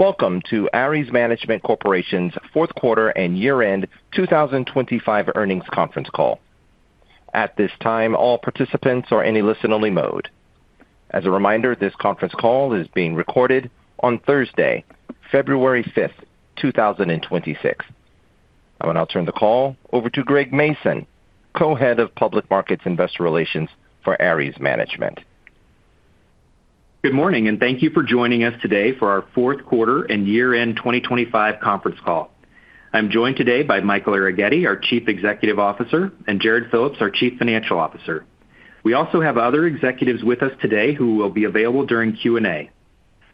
Welcome to Ares Management Corporation's fourth quarter and year-end 2025 earnings conference call. At this time, all participants are in a listen-only mode. As a reminder, this conference call is being recorded on Thursday, February 5, 2026. I will now turn the call over to Greg Mason, Co-Head of Public Markets Investor Relations for Ares Management. Good morning, and thank you for joining us today for our fourth quarter and year-end 2025 conference call. I'm joined today by Michael Arougheti, our Chief Executive Officer, and Jarrod Phillips, our Chief Financial Officer. We also have other executives with us today who will be available during Q&A.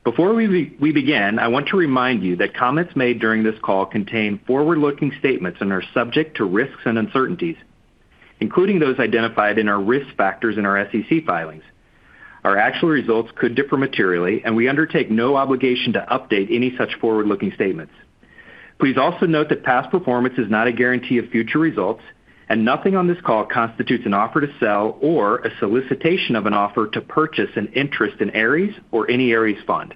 Before we begin, I want to remind you that comments made during this call contain forward-looking statements and are subject to risks and uncertainties, including those identified in our risk factors in our SEC filings. Our actual results could differ materially, and we undertake no obligation to update any such forward-looking statements. Please also note that past performance is not a guarantee of future results, and nothing on this call constitutes an offer to sell or a solicitation of an offer to purchase an interest in Ares or any Ares fund.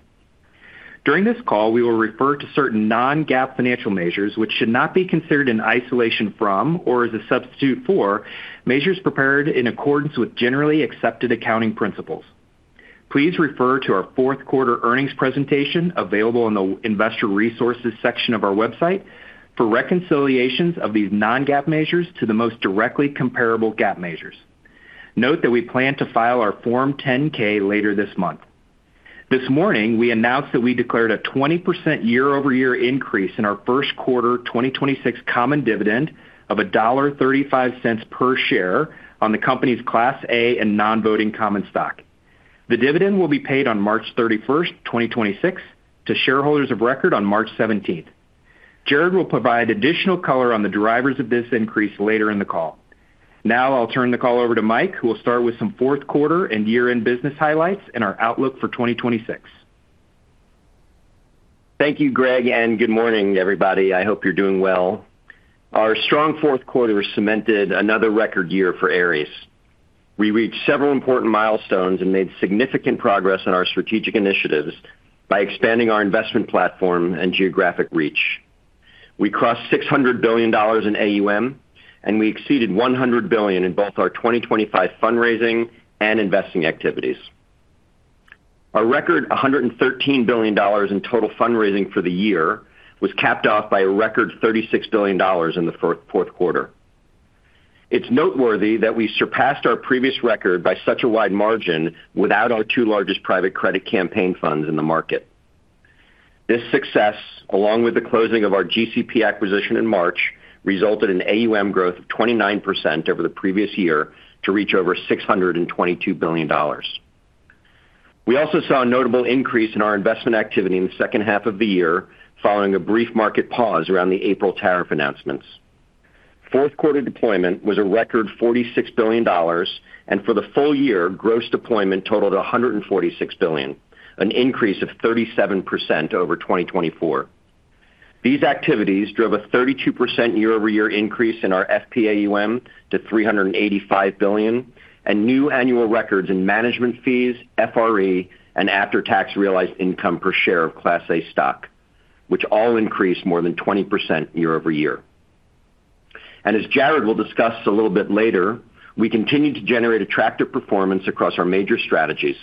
During this call, we will refer to certain non-GAAP financial measures, which should not be considered in isolation from or as a substitute for measures prepared in accordance with generally accepted accounting principles. Please refer to our fourth quarter earnings presentation, available in the investor resources section of our website, for reconciliations of these non-GAAP measures to the most directly comparable GAAP measures. Note that we plan to file our Form 10-K later this month. This morning, we announced that we declared a 20% year-over-year increase in our first quarter 2026 common dividend of $1.35 per share on the company's Class A and non-voting common stock. The dividend will be paid on March 31, 2026, to shareholders of record on March 17. Jarrod will provide additional color on the drivers of this increase later in the call. Now I'll turn the call over to Mike, who will start with some fourth quarter and year-end business highlights and our outlook for 2026. Thank you, Greg, and good morning, everybody. I hope you're doing well. Our strong fourth quarter cemented another record year for Ares. We reached several important milestones and made significant progress in our strategic initiatives by expanding our investment platform and geographic reach. We crossed $600 billion in AUM, and we exceeded $100 billion in both our 2025 fundraising and investing activities. Our record, $113 billion in total fundraising for the year, was capped off by a record $36 billion in the fourth quarter. It's noteworthy that we surpassed our previous record by such a wide margin without our two largest private credit campaign funds in the market. This success, along with the closing of our GCP acquisition in March, resulted in AUM growth of 29% over the previous year to reach over $622 billion. We also saw a notable increase in our investment activity in the second half of the year, following a brief market pause around the April tariff announcements. Fourth quarter deployment was a record $46 billion, and for the full year, gross deployment totaled $146 billion, an increase of 37% over 2024. These activities drove a 32% year-over-year increase in our FPAUM to $385 billion, and new annual records in management fees, FRE, and after-tax realized income per share of Class A stock, which all increased more than 20% year-over-year. And as Jared will discuss a little bit later, we continue to generate attractive performance across our major strategies.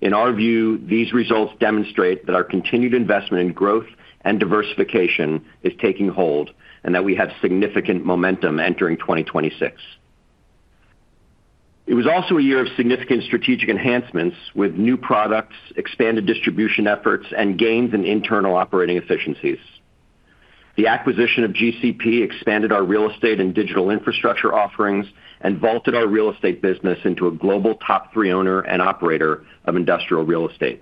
In our view, these results demonstrate that our continued investment in growth and diversification is taking hold and that we have significant momentum entering 2026. It was also a year of significant strategic enhancements, with new products, expanded distribution efforts, and gains in internal operating efficiencies. The acquisition of GCP expanded our real estate and digital infrastructure offerings and vaulted our real estate business into a global top three owner and operator of industrial real estate.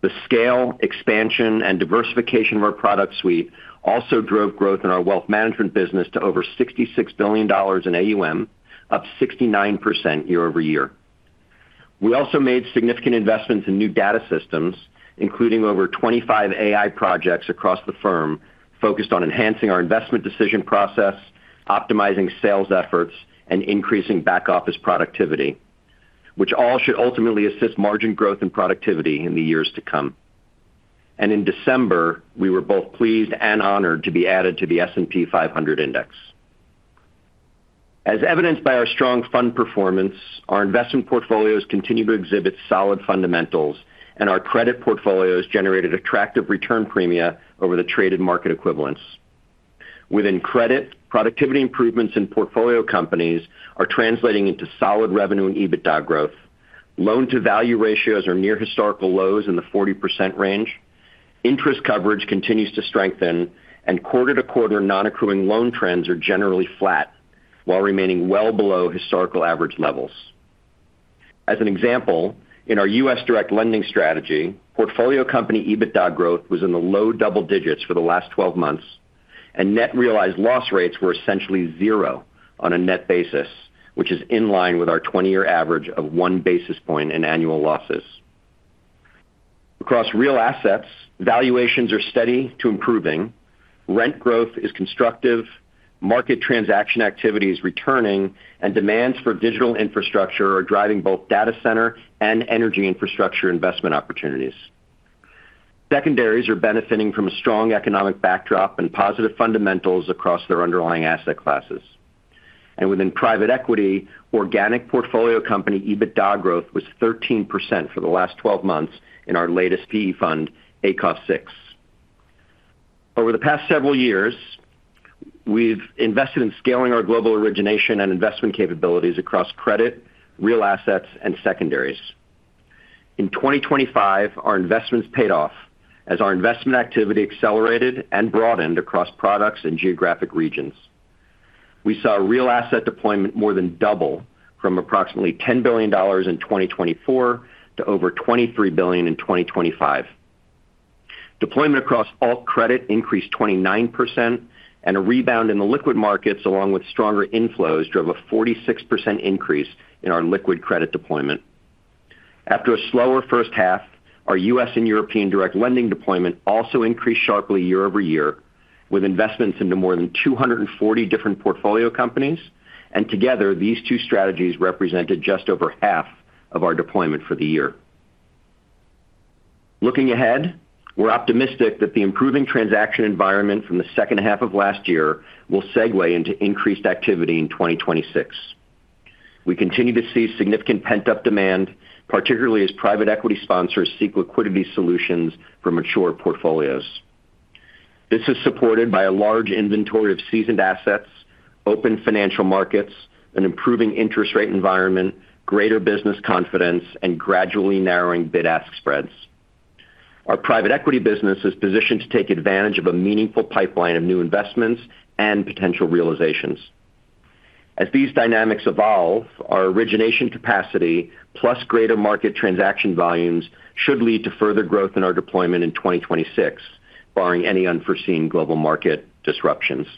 The scale, expansion, and diversification of our product suite also drove growth in our wealth management business to over $66 billion in AUM, up 69% year-over-year. We also made significant investments in new data systems, including over 25 AI projects across the firm, focused on enhancing our investment decision process, optimizing sales efforts, and increasing back-office productivity, which all should ultimately assist margin growth and productivity in the years to come. In December, we were both pleased and honored to be added to the S&P 500 Index. As evidenced by our strong fund performance, our investment portfolios continue to exhibit solid fundamentals, and our credit portfolios generated attractive return premia over the traded market equivalents. Within credit, productivity improvements in portfolio companies are translating into solid revenue and EBITDA growth. Loan-to-value ratios are near historical lows in the 40% range. Interest coverage continues to strengthen, and quarter-to-quarter non-accruing loan trends are generally flat, while remaining well below historical average levels. As an example, in our U.S. direct lending strategy, portfolio company EBITDA growth was in the low double digits for the last 12 months, and net realized loss rates were essentially zero on a net basis, which is in line with our 20-year average of 1 basis point in annual losses. Across real assets, valuations are steady to improving.... Rent growth is constructive, market transaction activity is returning, and demands for digital infrastructure are driving both data center and energy infrastructure investment opportunities. Secondaries are benefiting from a strong economic backdrop and positive fundamentals across their underlying asset classes. Within private equity, organic portfolio company EBITDA growth was 13% for the last 12 months in our latest PE fund, ACOF VI. Over the past several years, we've invested in scaling our global origination and investment capabilities across credit, real assets, and secondaries. In 2025, our investments paid off as our investment activity accelerated and broadened across products and geographic regions. We saw real asset deployment more than double from approximately $10 billion in 2024 to over $23 billion in 2025. Deployment across alt credit increased 29%, and a rebound in the liquid markets, along with stronger inflows, drove a 46% increase in our liquid credit deployment. After a slower first half, our U.S. and European direct lending deployment also increased sharply year-over-year, with investments into more than 240 different portfolio companies, and together, these two strategies represented just over half of our deployment for the year. Looking ahead, we're optimistic that the improving transaction environment from the second half of last year will segue into increased activity in 2026. We continue to see significant pent-up demand, particularly as private equity sponsors seek liquidity solutions for mature portfolios. This is supported by a large inventory of seasoned assets, open financial markets, an improving interest rate environment, greater business confidence, and gradually narrowing bid-ask spreads. Our private equity business is positioned to take advantage of a meaningful pipeline of new investments and potential realizations. As these dynamics evolve, our origination capacity, plus greater market transaction volumes, should lead to further growth in our deployment in 2026, barring any unforeseen global market disruptions.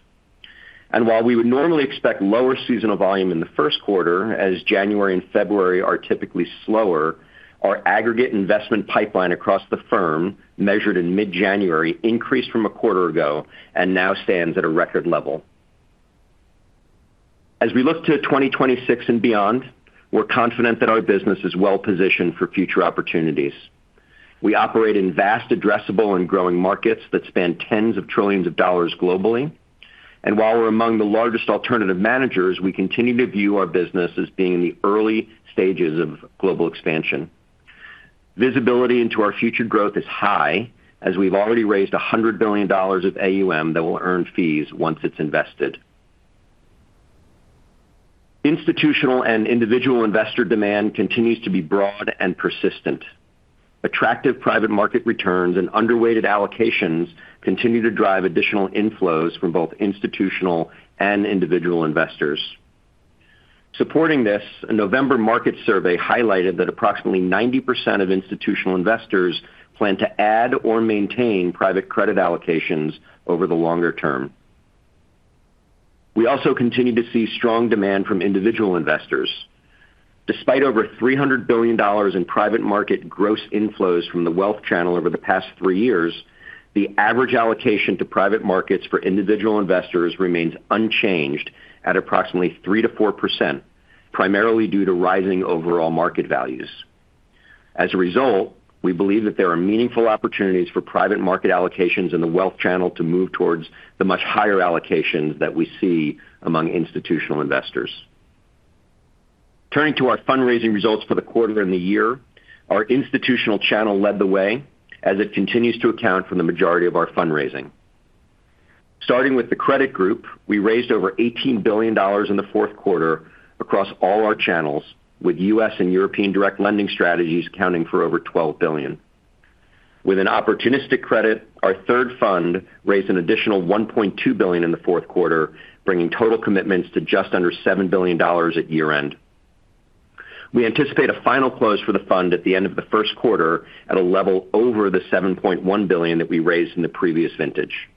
And while we would normally expect lower seasonal volume in the first quarter, as January and February are typically slower, our aggregate investment pipeline across the firm, measured in mid-January, increased from a quarter ago and now stands at a record level. As we look to 2026 and beyond, we're confident that our business is well positioned for future opportunities. We operate in vast, addressable and growing markets that span tens of trillions of dollars globally. And while we're among the largest alternative managers, we continue to view our business as being in the early stages of global expansion. Visibility into our future growth is high, as we've already raised $100 billion of AUM that will earn fees once it's invested. Institutional and individual investor demand continues to be broad and persistent. Attractive private market returns and underweighted allocations continue to drive additional inflows from both institutional and individual investors. Supporting this, a November market survey highlighted that approximately 90% of institutional investors plan to add or maintain private credit allocations over the longer term. We also continue to see strong demand from individual investors. Despite over $300 billion in private market gross inflows from the wealth channel over the past three years, the average allocation to private markets for individual investors remains unchanged at approximately 3%-4%, primarily due to rising overall market values. As a result, we believe that there are meaningful opportunities for private market allocations in the wealth channel to move towards the much higher allocations that we see among institutional investors. Turning to our fundraising results for the quarter and the year, our institutional channel led the way as it continues to account for the majority of our fundraising. Starting with the credit group, we raised over $18 billion in the fourth quarter across all our channels, with U.S. and European direct lending strategies accounting for over $12 billion. With an opportunistic credit, our third fund raised an additional $1.2 billion in the fourth quarter, bringing total commitments to just under $7 billion at year-end. We anticipate a final close for the fund at the end of the first quarter at a level over the $7.1 billion that we raised in the previous vintage.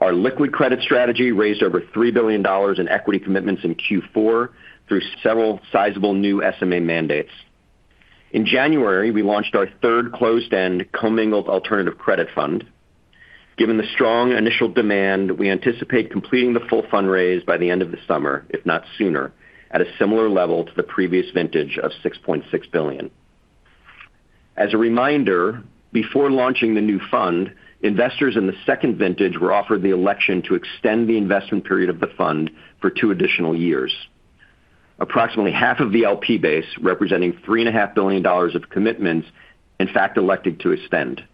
Our liquid credit strategy raised over $3 billion in equity commitments in Q4 through several sizable new SMA mandates. In January, we launched our third closed-end, commingled alternative credit fund. Given the strong initial demand, we anticipate completing the full fundraise by the end of the summer, if not sooner, at a similar level to the previous vintage of $6.6 billion. As a reminder, before launching the new fund, investors in the second vintage were offered the election to extend the investment period of the fund for two additional years. Approximately half of the LP base, representing $3.5 billion of commitments, in fact, elected to extend.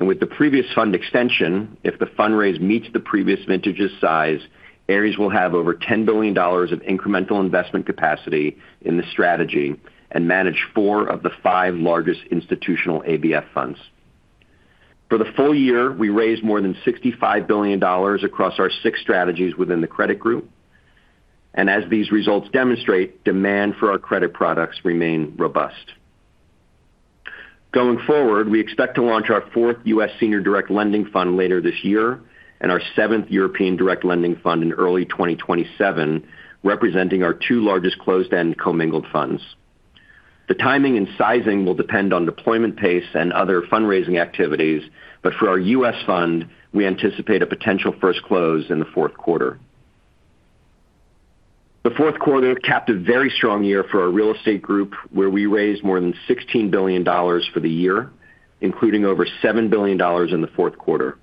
With the previous fund extension, if the fundraise meets the previous vintage's size, Ares will have over $10 billion of incremental investment capacity in this strategy and manage four of the five largest institutional ABF funds. For the full year, we raised more than $65 billion across our six strategies within the credit group. As these results demonstrate, demand for our credit products remain robust. Going forward, we expect to launch our fourth U.S. Senior Direct Lending Fund later this year and our seventh European Direct Lending Fund in early 2027, representing our two largest closed-end commingled funds. The timing and sizing will depend on deployment pace and other fundraising activities, but for our U.S. fund, we anticipate a potential first close in the fourth quarter. The fourth quarter capped a very strong year for our real estate group, where we raised more than $16 billion for the year, including over $7 billion in the fourth quarter.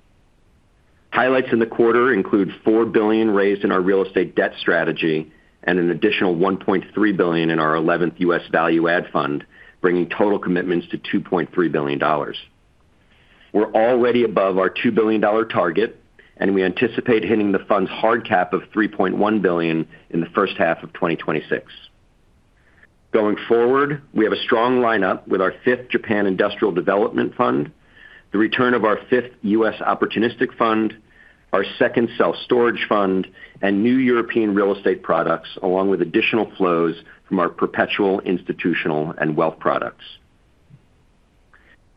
Highlights in the quarter include $4 billion raised in our real estate debt strategy and an additional $1.3 billion in our 11th U.S. value-add fund, bringing total commitments to $2.3 billion. We're already above our $2 billion target, and we anticipate hitting the fund's hard cap of $3.1 billion in the first half of 2026. Going forward, we have a strong lineup with our fifth Japan Industrial Development Fund, the return of our fifth U.S. Opportunistic Fund, our second self-storage fund, and new European real estate products, along with additional flows from our perpetual, institutional, and wealth products.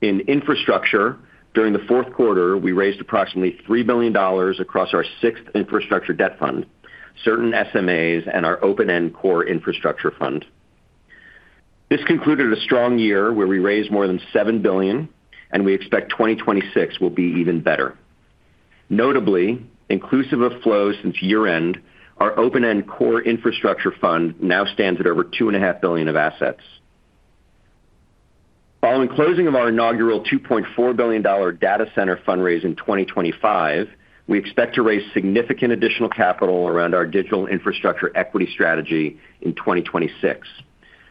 In infrastructure, during the fourth quarter, we raised approximately $3 billion across our sixth infrastructure debt fund, certain SMAs, and our open-end core infrastructure fund. This concluded a strong year where we raised more than $7 billion, and we expect 2026 will be even better. Notably, inclusive of flows since year-end, our open-end core infrastructure fund now stands at over $2.5 billion of assets. Following closing of our inaugural $2.4 billion data center fundraise in 2025, we expect to raise significant additional capital around our digital infrastructure equity strategy in 2026,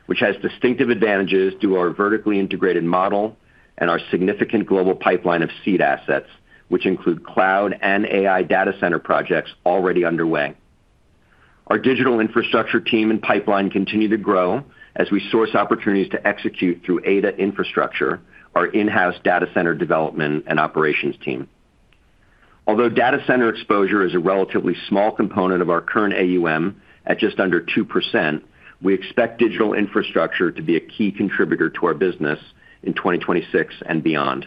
which has distinctive advantages through our vertically integrated model and our significant global pipeline of seed assets, which include cloud and AI data center projects already underway. Our digital infrastructure team and pipeline continue to grow as we source opportunities to execute through Ada Infrastructure, our in-house data center development and operations team. Although data center exposure is a relatively small component of our current AUM at just under 2%, we expect digital infrastructure to be a key contributor to our business in 2026 and beyond.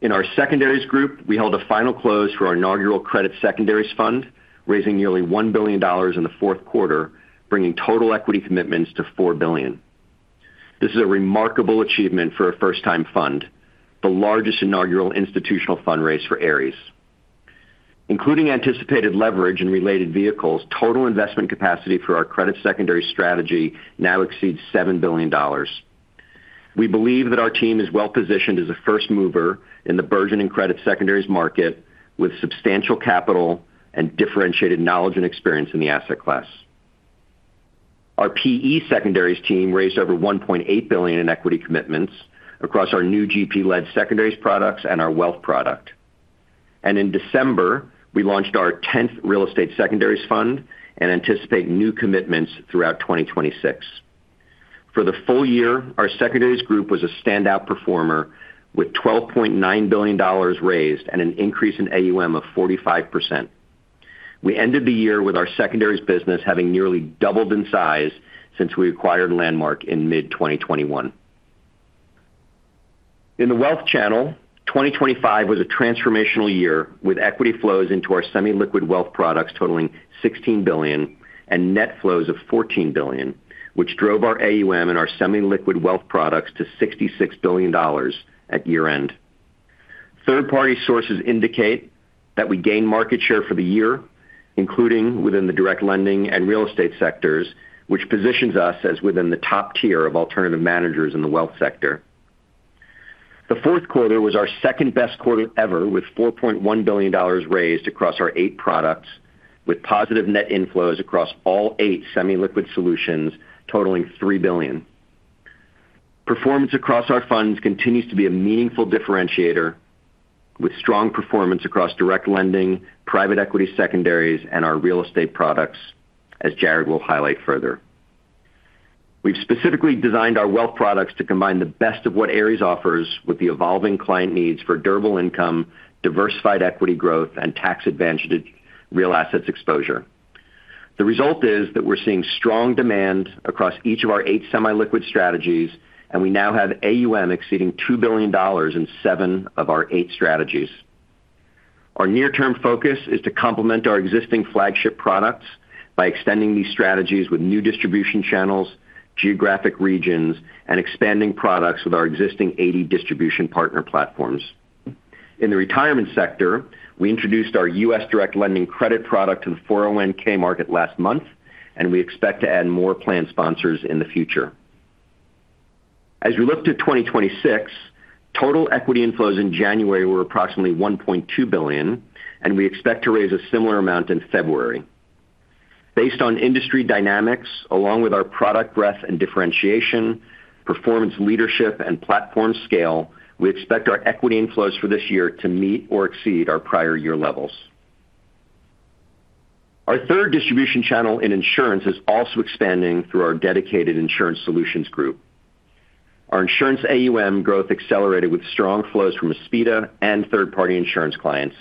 In our secondaries group, we held a final close for our inaugural credit secondaries fund, raising nearly $1 billion in the fourth quarter, bringing total equity commitments to $4 billion. This is a remarkable achievement for a first-time fund, the largest inaugural institutional fundraise for Ares. Including anticipated leverage in related vehicles, total investment capacity for our credit secondary strategy now exceeds $7 billion. We believe that our team is well positioned as a first mover in the burgeoning credit secondaries market, with substantial capital and differentiated knowledge and experience in the asset class. Our PE secondaries team raised over $1.8 billion in equity commitments across our new GP-led secondaries products and our wealth product. In December, we launched our tenth real estate secondaries fund and anticipate new commitments throughout 2026. For the full year, our secondaries group was a standout performer, with $12.9 billion raised and an increase in AUM of 45%. We ended the year with our secondaries business having nearly doubled in size since we acquired Landmark in mid-2021. In the wealth channel, 2025 was a transformational year, with equity flows into our semi-liquid wealth products totaling $16 billion and net flows of $14 billion, which drove our AUM and our semi-liquid wealth products to $66 billion at year-end. Third-party sources indicate that we gained market share for the year, including within the direct lending and real estate sectors, which positions us as within the top tier of alternative managers in the wealth sector. The fourth quarter was our second-best quarter ever, with $4.1 billion raised across our 8 products, with positive net inflows across all 8 semi-liquid solutions totaling $3 billion. Performance across our funds continues to be a meaningful differentiator, with strong performance across direct lending, private equity secondaries, and our real estate products, as Jared will highlight further. We've specifically designed our wealth products to combine the best of what Ares offers with the evolving client needs for durable income, diversified equity growth, and tax-advantaged real assets exposure. The result is that we're seeing strong demand across each of our eight semi-liquid strategies, and we now have AUM exceeding $2 billion in seven of our eight strategies. Our near-term focus is to complement our existing flagship products by extending these strategies with new distribution channels, geographic regions, and expanding products with our existing 80 distribution partner platforms. In the retirement sector, we introduced our U.S. direct lending credit product to the market last month, and we expect to add more plan sponsors in the future. As we look to 2026, total equity inflows in January were approximately $1.2 billion, and we expect to raise a similar amount in February. Based on industry dynamics, along with our product breadth and differentiation, performance, leadership, and platform scale, we expect our equity inflows for this year to meet or exceed our prior year levels. Our third distribution channel in insurance is also expanding through our dedicated insurance solutions group. Our insurance AUM growth accelerated with strong flows from Aspida and third-party insurance clients.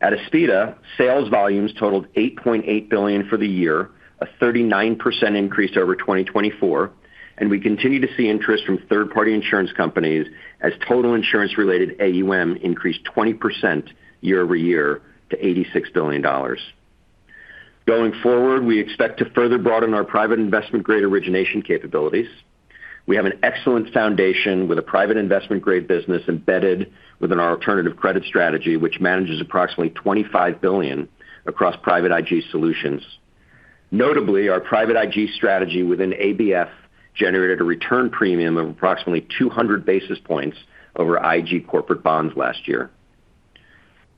At Aspida, sales volumes totaled $8.8 billion for the year, a 39% increase over 2024, and we continue to see interest from third-party insurance companies as total insurance-related AUM increased 20% year-over-year to $86 billion. Going forward, we expect to further broaden our private investment-grade origination capabilities. We have an excellent foundation with a private investment-grade business embedded within our alternative credit strategy, which manages approximately $25 billion across private IG solutions. Notably, our private IG strategy within ABF generated a return premium of approximately 200 basis points over IG corporate bonds last year.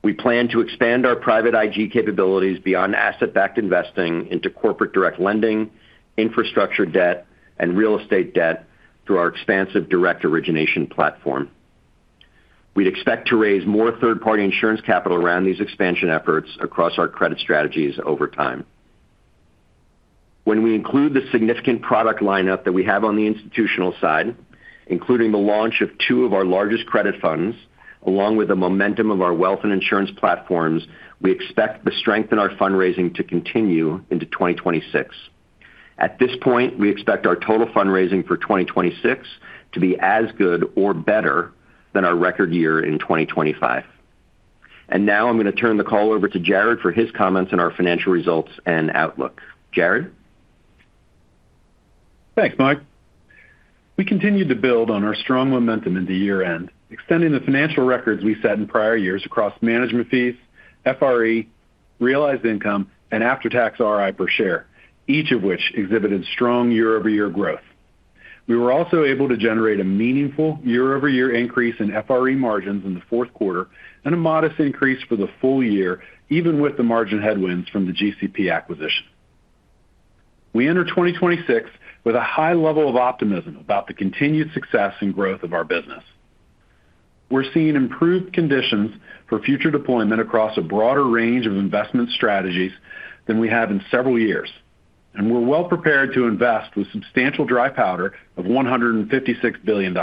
We plan to expand our private IG capabilities beyond asset-backed investing into corporate direct lending, infrastructure debt, and real estate debt through our expansive direct origination platform. We'd expect to raise more third-party insurance capital around these expansion efforts across our credit strategies over time. When we include the significant product lineup that we have on the institutional side, including the launch of two of our largest credit funds, along with the momentum of our wealth and insurance platforms, we expect the strength in our fundraising to continue into 2026. At this point, we expect our total fundraising for 2026 to be as good or better than our record year in 2025. Now I'm going to turn the call over to Jarrod for his comments on our financial results and outlook. Jarrod? Thanks, Mike. We continued to build on our strong momentum into year-end, extending the financial records we set in prior years across management fees, FRE, realized income, and after-tax RI per share, each of which exhibited strong year-over-year growth. We were also able to generate a meaningful year-over-year increase in FRE margins in the fourth quarter and a modest increase for the full year, even with the margin headwinds from the GCP acquisition. We enter 2026 with a high level of optimism about the continued success and growth of our business. We're seeing improved conditions for future deployment across a broader range of investment strategies than we have in several years, and we're well prepared to invest with substantial dry powder of $156 billion.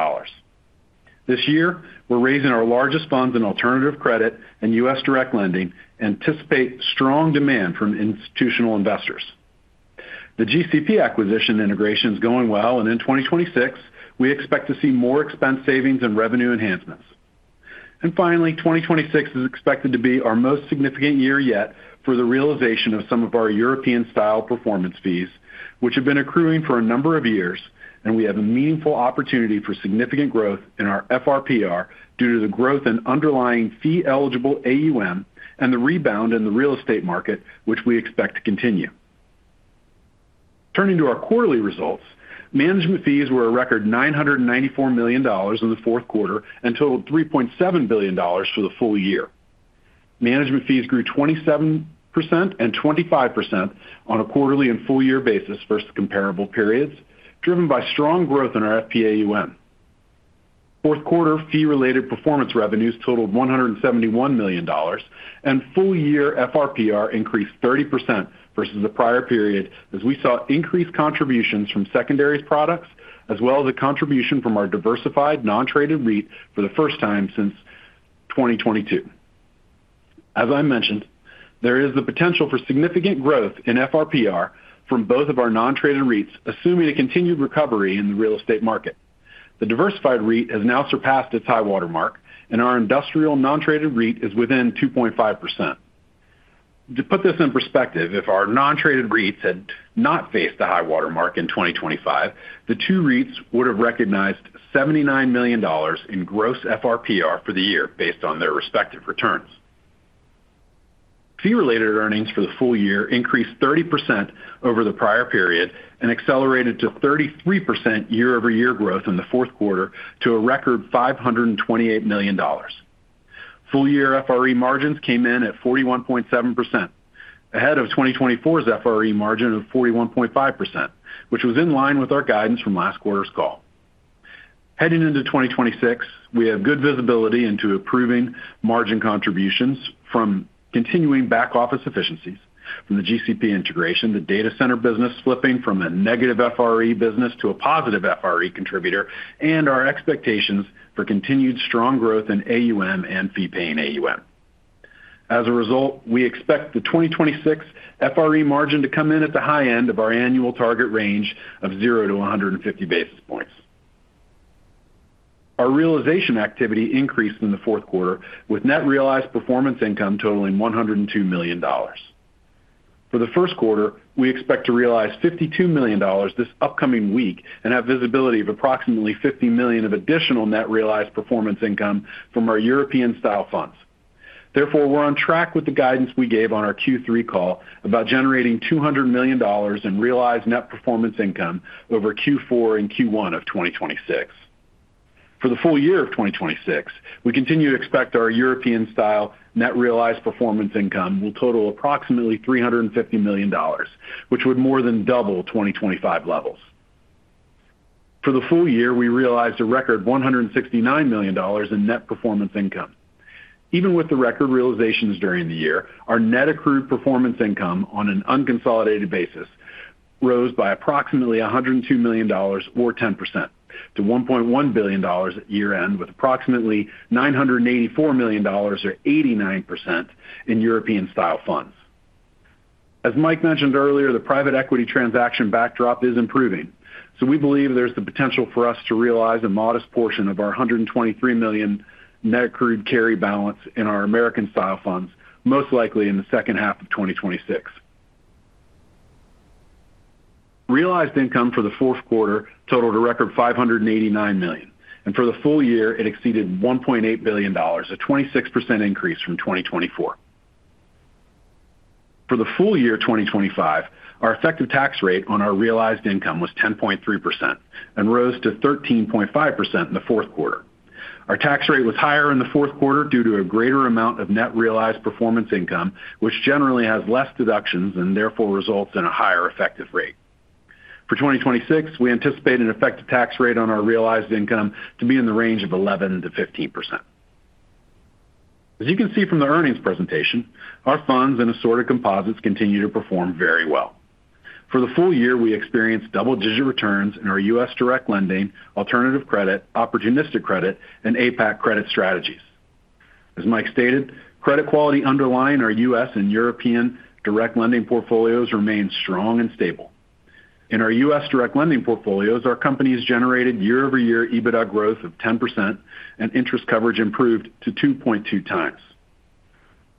This year, we're raising our largest funds in alternative credit and U.S. direct lending, anticipate strong demand from institutional investors. The GCP acquisition integration is going well, and in 2026, we expect to see more expense savings and revenue enhancements. Finally, 2026 is expected to be our most significant year yet for the realization of some of our European-style performance fees, which have been accruing for a number of years, and we have a meaningful opportunity for significant growth in our FRPR due to the growth in underlying fee-eligible AUM and the rebound in the real estate market, which we expect to continue. Turning to our quarterly results, management fees were a record $994 million in the fourth quarter and totaled $3.7 billion for the full year. Management fees grew 27% and 25% on a quarterly and full year basis versus comparable periods, driven by strong growth in our FPAUM. Fourth quarter fee-related performance revenues totaled $171 million, and full-year FRPR increased 30% versus the prior period, as we saw increased contributions from secondaries products, as well as a contribution from our diversified non-traded REIT for the first time since 2022. As I mentioned, there is the potential for significant growth in FRPR from both of our non-traded REITs, assuming a continued recovery in the real estate market. The diversified REIT has now surpassed its high-water mark, and our industrial non-traded REIT is within 2.5%. To put this in perspective, if our non-traded REITs had not faced the high-water mark in 2025, the two REITs would have recognized $79 million in gross FRPR for the year based on their respective returns. Fee-related earnings for the full year increased 30% over the prior period and accelerated to 33% year-over-year growth in the fourth quarter to a record $528 million. Full year FRE margins came in at 41.7%, ahead of 2024's FRE margin of 41.5%, which was in line with our guidance from last quarter's call. Heading into 2026, we have good visibility into improving margin contributions from continuing back-office efficiencies from the GCP integration, the data center business flipping from a negative FRE business to a positive FRE contributor, and our expectations for continued strong growth in AUM and fee-paying AUM. As a result, we expect the 2026 FRE margin to come in at the high end of our annual target range of 0-150 basis points. Our realization activity increased in the fourth quarter, with net realized performance income totaling $102 million. For the first quarter, we expect to realize $52 million this upcoming week and have visibility of approximately $50 million of additional net realized performance income from our European-style funds. Therefore, we're on track with the guidance we gave on our Q3 call about generating $200 million in realized net performance income over Q4 and Q1 of 2026. For the full year of 2026, we continue to expect our European-style net realized performance income will total approximately $350 million, which would more than double 2025 levels. For the full year, we realized a record $169 million in net performance income. Even with the record realizations during the year, our net accrued performance income on an unconsolidated basis rose by approximately $102 million, or 10%, to $1.1 billion at year-end, with approximately $984 million, or 89%, in European-style funds. As Mike mentioned earlier, the private equity transaction backdrop is improving. So we believe there's the potential for us to realize a modest portion of our $123 million net accrued carry balance in our American style funds, most likely in the second half of 2026. Realized income for the fourth quarter totaled a record $589 million, and for the full year, it exceeded $1.8 billion, a 26% increase from 2024. For the full year 2025, our effective tax rate on our realized income was 10.3% and rose to 13.5% in the fourth quarter. Our tax rate was higher in the fourth quarter due to a greater amount of net realized performance income, which generally has less deductions and therefore results in a higher effective rate. For 2026, we anticipate an effective tax rate on our realized income to be in the range of 11%-15%. As you can see from the earnings presentation, our funds and assorted composites continue to perform very well. For the full year, we experienced double-digit returns in our U.S. direct lending, alternative credit, opportunistic credit, and APAC credit strategies. As Mike stated, credit quality underlying our U.S. and European direct lending portfolios remains strong and stable. In our U.S. direct lending portfolios, our companies generated year-over-year EBITDA growth of 10%, and interest coverage improved to 2.2 times.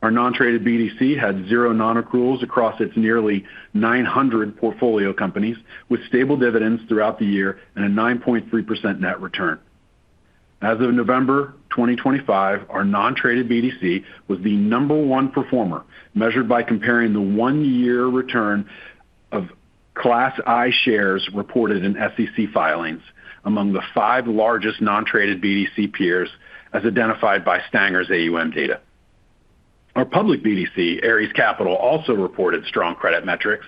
Our non-traded BDC had 0 non-accruals across its nearly 900 portfolio companies, with stable dividends throughout the year and a 9.3% net return. As of November 2025, our non-traded BDC was the number 1 performer, measured by comparing the 1-year return of Class I shares reported in SEC filings among the 5 largest non-traded BDC peers, as identified by Stanger's AUM data. Our public BDC, Ares Capital, also reported strong credit metrics,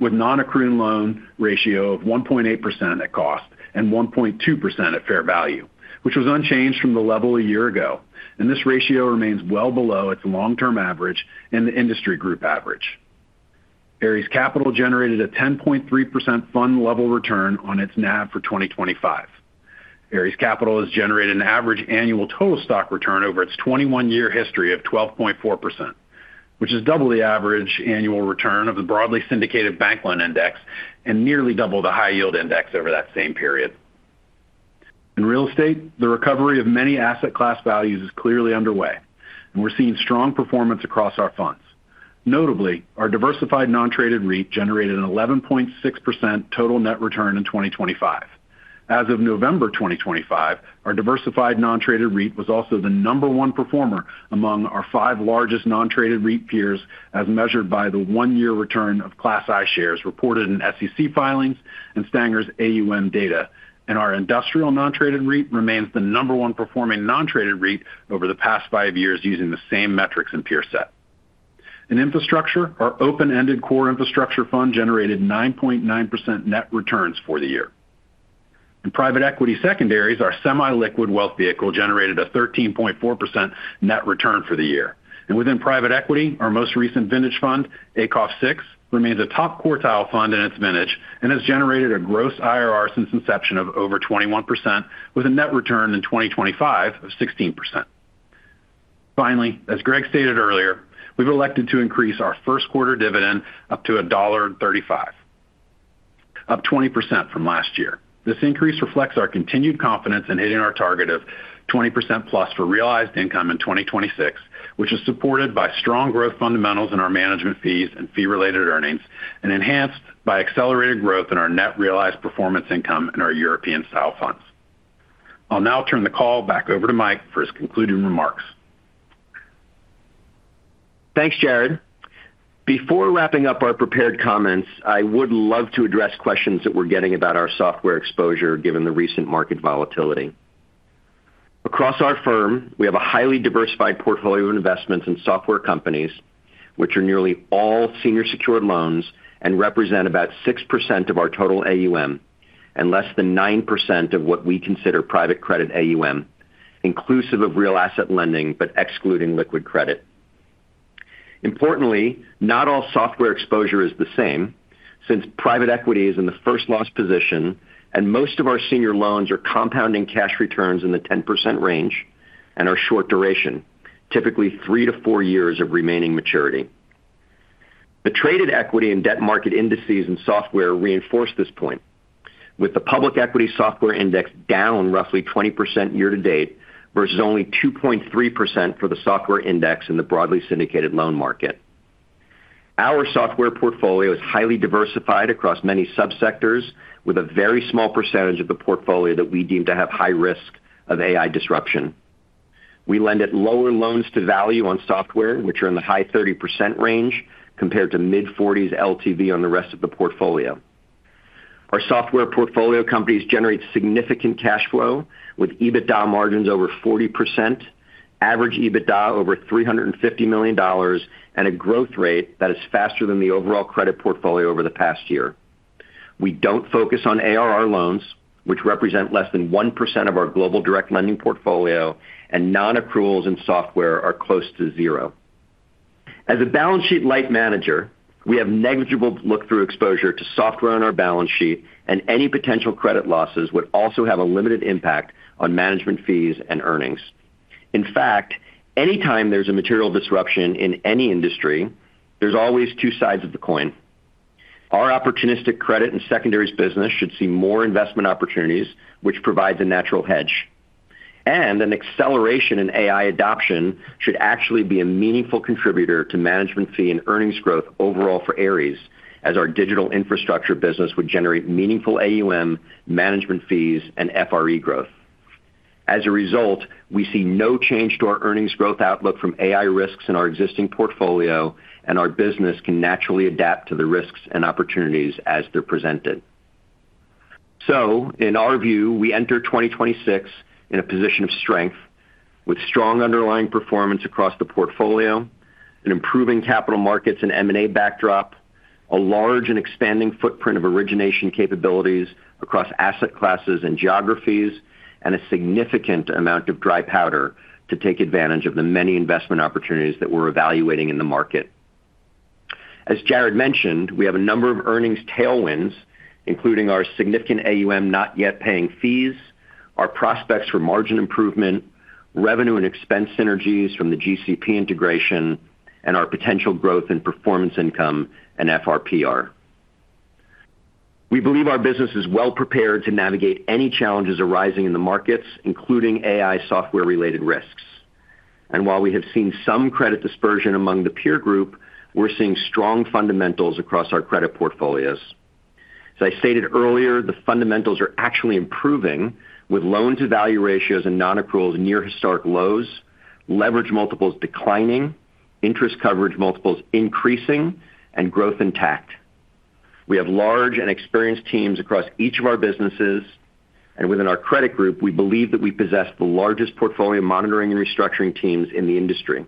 with non-accruing loan ratio of 1.8% at cost and 1.2% at fair value, which was unchanged from the level a year ago, and this ratio remains well below its long-term average and the industry group average. Ares Capital generated a 10.3% fund level return on its NAV for 2025. Ares Capital has generated an average annual total stock return over its 21-year history of 12.4%, which is double the average annual return of the broadly syndicated bank loan index and nearly double the high yield index over that same period. In real estate, the recovery of many asset class values is clearly underway, and we're seeing strong performance across our funds. Notably, our diversified non-traded REIT generated an 11.6% total net return in 2025. As of November 2025, our diversified non-traded REIT was also the number one performer among our five largest non-traded REIT peers, as measured by the 1-year return of Class I shares reported in SEC filings and Stanger's AUM data. Our industrial non-traded REIT remains the number 1 performing non-traded REIT over the past 5 years, using the same metrics and peer set. In infrastructure, our open-ended core infrastructure fund generated 9.9% net returns for the year. In private equity secondaries, our semi-liquid wealth vehicle generated a 13.4% net return for the year. And within private equity, our most recent vintage fund, ACOF VI, remains a top quartile fund in its vintage and has generated a gross IRR since inception of over 21%, with a net return in 2025 of 16%. Finally, as Greg stated earlier, we've elected to increase our first quarter dividend up to $1.35, up 20% from last year. This increase reflects our continued confidence in hitting our target of 20%+ for realized income in 2026, which is supported by strong growth fundamentals in our management fees and fee-related earnings, and enhanced by accelerated growth in our net realized performance income in our European-style funds. I'll now turn the call back over to Mike for his concluding remarks. Thanks, Jared. Before wrapping up our prepared comments, I would love to address questions that we're getting about our software exposure, given the recent market volatility. Across our firm, we have a highly diversified portfolio of investments in software companies, which are nearly all senior secured loans and represent about 6% of our total AUM, and less than 9% of what we consider private credit AUM, inclusive of real asset lending, but excluding liquid credit. Importantly, not all software exposure is the same, since private equity is in the first loss position, and most of our senior loans are compounding cash returns in the 10% range and are short duration, typically 3-4 years of remaining maturity. The traded equity and debt market indices and software reinforce this point, with the public equity software index down roughly 20% year to date, versus only 2.3% for the software index in the broadly syndicated loan market. Our software portfolio is highly diversified across many subsectors, with a very small percentage of the portfolio that we deem to have high risk of AI disruption. We lend at lower loans to value on software, which are in the high 30% range, compared to mid-40s LTV on the rest of the portfolio. Our software portfolio companies generate significant cash flow, with EBITDA margins over 40%, average EBITDA over $350 million, and a growth rate that is faster than the overall credit portfolio over the past year. We don't focus on ARR loans, which represent less than 1% of our global direct lending portfolio, and non-accruals in software are close to zero. As a balance sheet light manager, we have negligible look-through exposure to software on our balance sheet, and any potential credit losses would also have a limited impact on management fees and earnings. In fact, anytime there's a material disruption in any industry, there's always two sides of the coin. Our opportunistic credit and secondaries business should see more investment opportunities, which provides a natural hedge. And an acceleration in AI adoption should actually be a meaningful contributor to management fee and earnings growth overall for Ares, as our digital infrastructure business would generate meaningful AUM, management fees, and FRE growth. As a result, we see no change to our earnings growth outlook from AI risks in our existing portfolio, and our business can naturally adapt to the risks and opportunities as they're presented. So in our view, we enter 2026 in a position of strength, with strong underlying performance across the portfolio, and improving capital markets and M&A backdrop, a large and expanding footprint of origination capabilities across asset classes and geographies, and a significant amount of dry powder to take advantage of the many investment opportunities that we're evaluating in the market. As Jarrod mentioned, we have a number of earnings tailwinds, including our significant AUM, not yet paying fees, our prospects for margin improvement, revenue and expense synergies from the GCP integration, and our potential growth in performance income and FRPR. We believe our business is well prepared to navigate any challenges arising in the markets, including AI software-related risks. While we have seen some credit dispersion among the peer group, we're seeing strong fundamentals across our credit portfolios. As I stated earlier, the fundamentals are actually improving, with loan-to-value ratios and nonaccruals near historic lows, leverage multiples declining, interest coverage multiples increasing, and growth intact. We have large and experienced teams across each of our businesses, and within our credit group, we believe that we possess the largest portfolio monitoring and restructuring teams in the industry.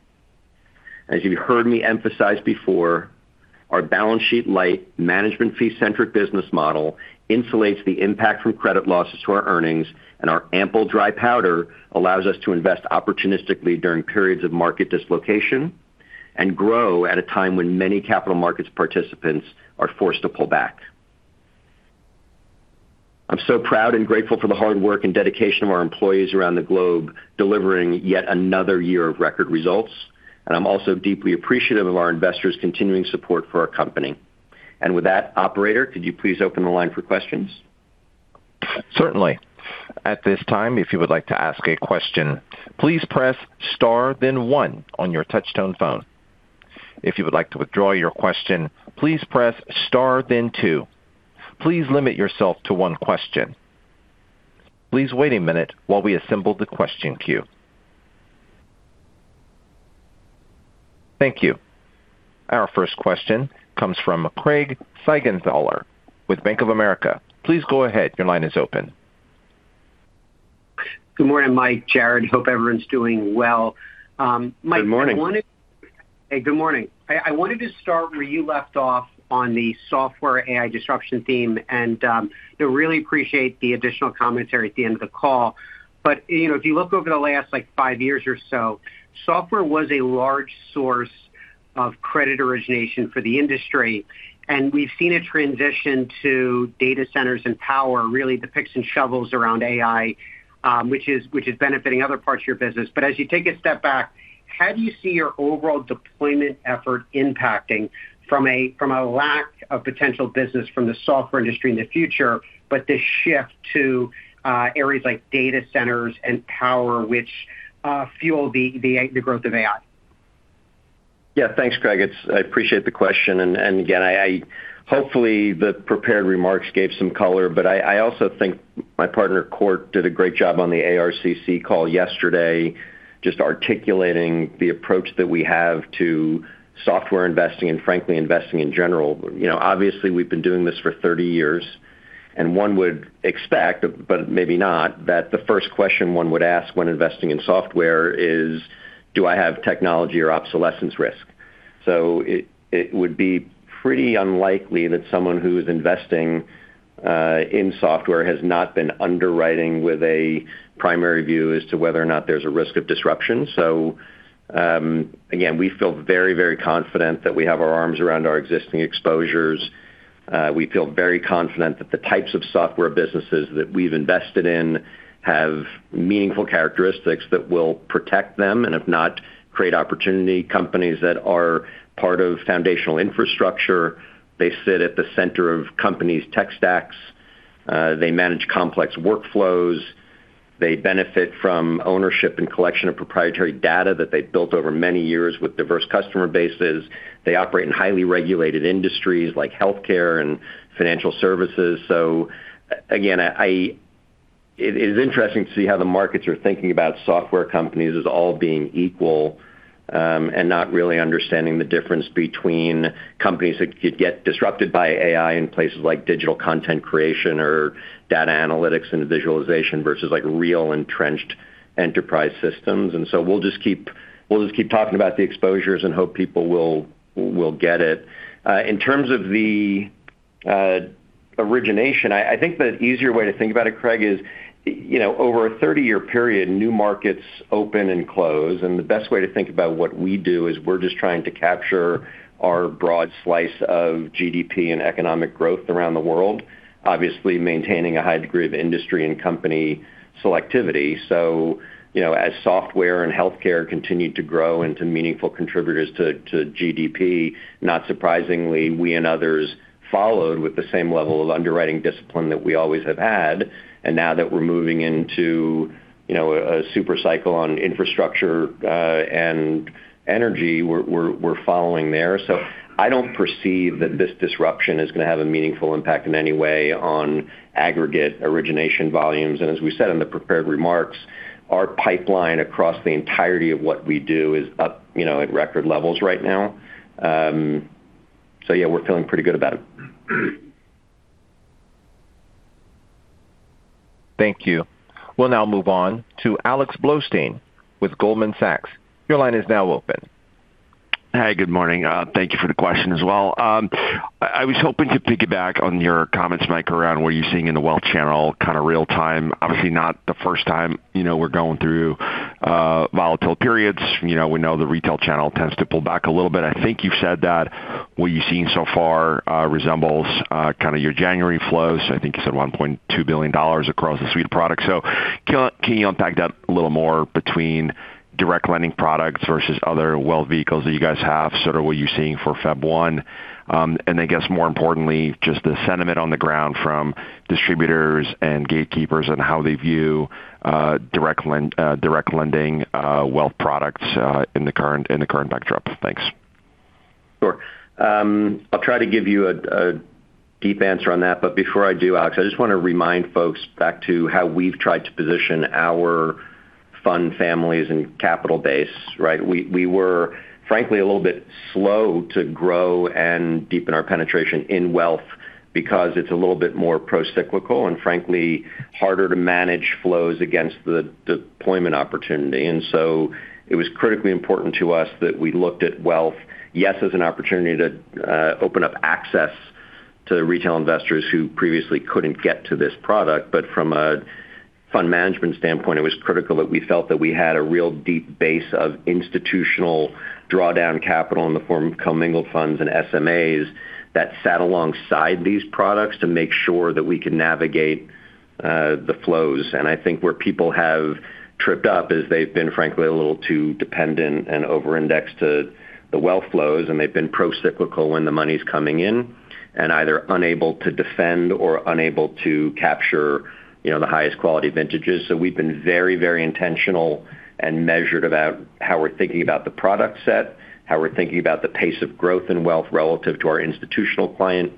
As you've heard me emphasize before, our balance sheet-light, management fee-centric business model insulates the impact from credit losses to our earnings, and our ample dry powder allows us to invest opportunistically during periods of market dislocation and grow at a time when many capital markets participants are forced to pull back. I'm so proud and grateful for the hard work and dedication of our employees around the globe, delivering yet another year of record results, and I'm also deeply appreciative of our investors' continuing support for our company. With that, operator, could you please open the line for questions? Certainly. At this time, if you would like to ask a question, please press star, then one on your touchtone phone. If you would like to withdraw your question, please press star, then two. Please limit yourself to one question. Please wait a minute while we assemble the question queue. Thank you. Our first question comes from Craig Siegenthaler with Bank of America. Please go ahead. Your line is open. Good morning, Mike, Jarrod. Hope everyone's doing well. Mike- Good morning. Hey, good morning. I wanted to start where you left off on the software AI disruption theme, and really appreciate the additional commentary at the end of the call. But, you know, if you look over the last, like, five years or so, software was a large source of credit origination for the industry, and we've seen a transition to data centers and power, really the picks and shovels around AI, which is benefiting other parts of your business. But as you take a step back, how do you see your overall deployment effort impacting from a lack of potential business from the software industry in the future, but the shift to areas like data centers and power, which fuel the growth of AI? Yeah. Thanks, Craig. It's. I appreciate the question, and again, I—hopefully, the prepared remarks gave some color, but I also think my partner, Kort, did a great job on the ARCC call yesterday, just articulating the approach that we have to software investing and frankly, investing in general. You know, obviously, we've been doing this for 30 years, and one would expect, but maybe not, that the first question one would ask when investing in software is, do I have technology or obsolescence risk? So it would be pretty unlikely that someone who is investing in software has not been underwriting with a primary view as to whether or not there's a risk of disruption. So, again, we feel very, very confident that we have our arms around our existing exposures. We feel very confident that the types of software businesses that we've invested in have meaningful characteristics that will protect them, and if not, create opportunity. Companies that are part of foundational infrastructure, they sit at the center of companies' tech stacks, they manage complex workflows, they benefit from ownership and collection of proprietary data that they've built over many years with diverse customer bases. They operate in highly regulated industries like healthcare and financial services. So again, I—it is interesting to see how the markets are thinking about software companies as all being equal, and not really understanding the difference between companies that could get disrupted by AI in places like digital content creation or data analytics into visualization versus, like, real entrenched enterprise systems. And so we'll just keep, we'll just keep talking about the exposures and hope people will, will get it. In terms of the origination. I think the easier way to think about it, Craig, is, you know, over a 30-year period, new markets open and close, and the best way to think about what we do is we're just trying to capture our broad slice of GDP and economic growth around the world, obviously maintaining a high degree of industry and company selectivity. So, you know, as software and healthcare continue to grow into meaningful contributors to GDP, not surprisingly, we and others followed with the same level of underwriting discipline that we always have had, and now that we're moving into, you know, a super cycle on infrastructure and energy, we're following there. So I don't perceive that this disruption is gonna have a meaningful impact in any way on aggregate origination volumes. As we said in the prepared remarks, our pipeline across the entirety of what we do is up, you know, at record levels right now. Yeah, we're feeling pretty good about it. Thank you. We'll now move on to Alex Blostein with Goldman Sachs. Your line is now open. Hi, good morning. Thank you for the question as well. I was hoping to piggyback on your comments, Mike, around what you're seeing in the wealth channel, kind of real time. Obviously, not the first time, you know, we're going through volatile periods. You know, we know the retail channel tends to pull back a little bit. I think you've said that what you've seen so far resembles kind of your January flows. I think you said $1.2 billion across the suite of products. So can you unpack that a little more between direct lending products versus other wealth vehicles that you guys have, sort of what you're seeing for February 1? And I guess more importantly, just the sentiment on the ground from distributors and gatekeepers and how they view direct lending, wealth products, in the current backdrop. Thanks. Sure. I'll try to give you a deep answer on that, but before I do, Alex, I just wanna remind folks back to how we've tried to position our fund families and capital base, right? We were frankly a little bit slow to grow and deepen our penetration in wealth because it's a little bit more procyclical and frankly harder to manage flows against the deployment opportunity. And so it was critically important to us that we looked at wealth, yes, as an opportunity to open up access to retail investors who previously couldn't get to this product, but from a fund management standpoint, it was critical that we felt that we had a real deep base of institutional drawdown capital in the form of commingled funds and SMAs that sat alongside these products to make sure that we could navigate the flows. I think where people have tripped up is they've been, frankly, a little too dependent and over-indexed to the wealth flows, and they've been procyclical when the money's coming in, and either unable to defend or unable to capture, you know, the highest quality vintages. So we've been very, very intentional and measured about how we're thinking about the product set, how we're thinking about the pace of growth and wealth relative to our institutional client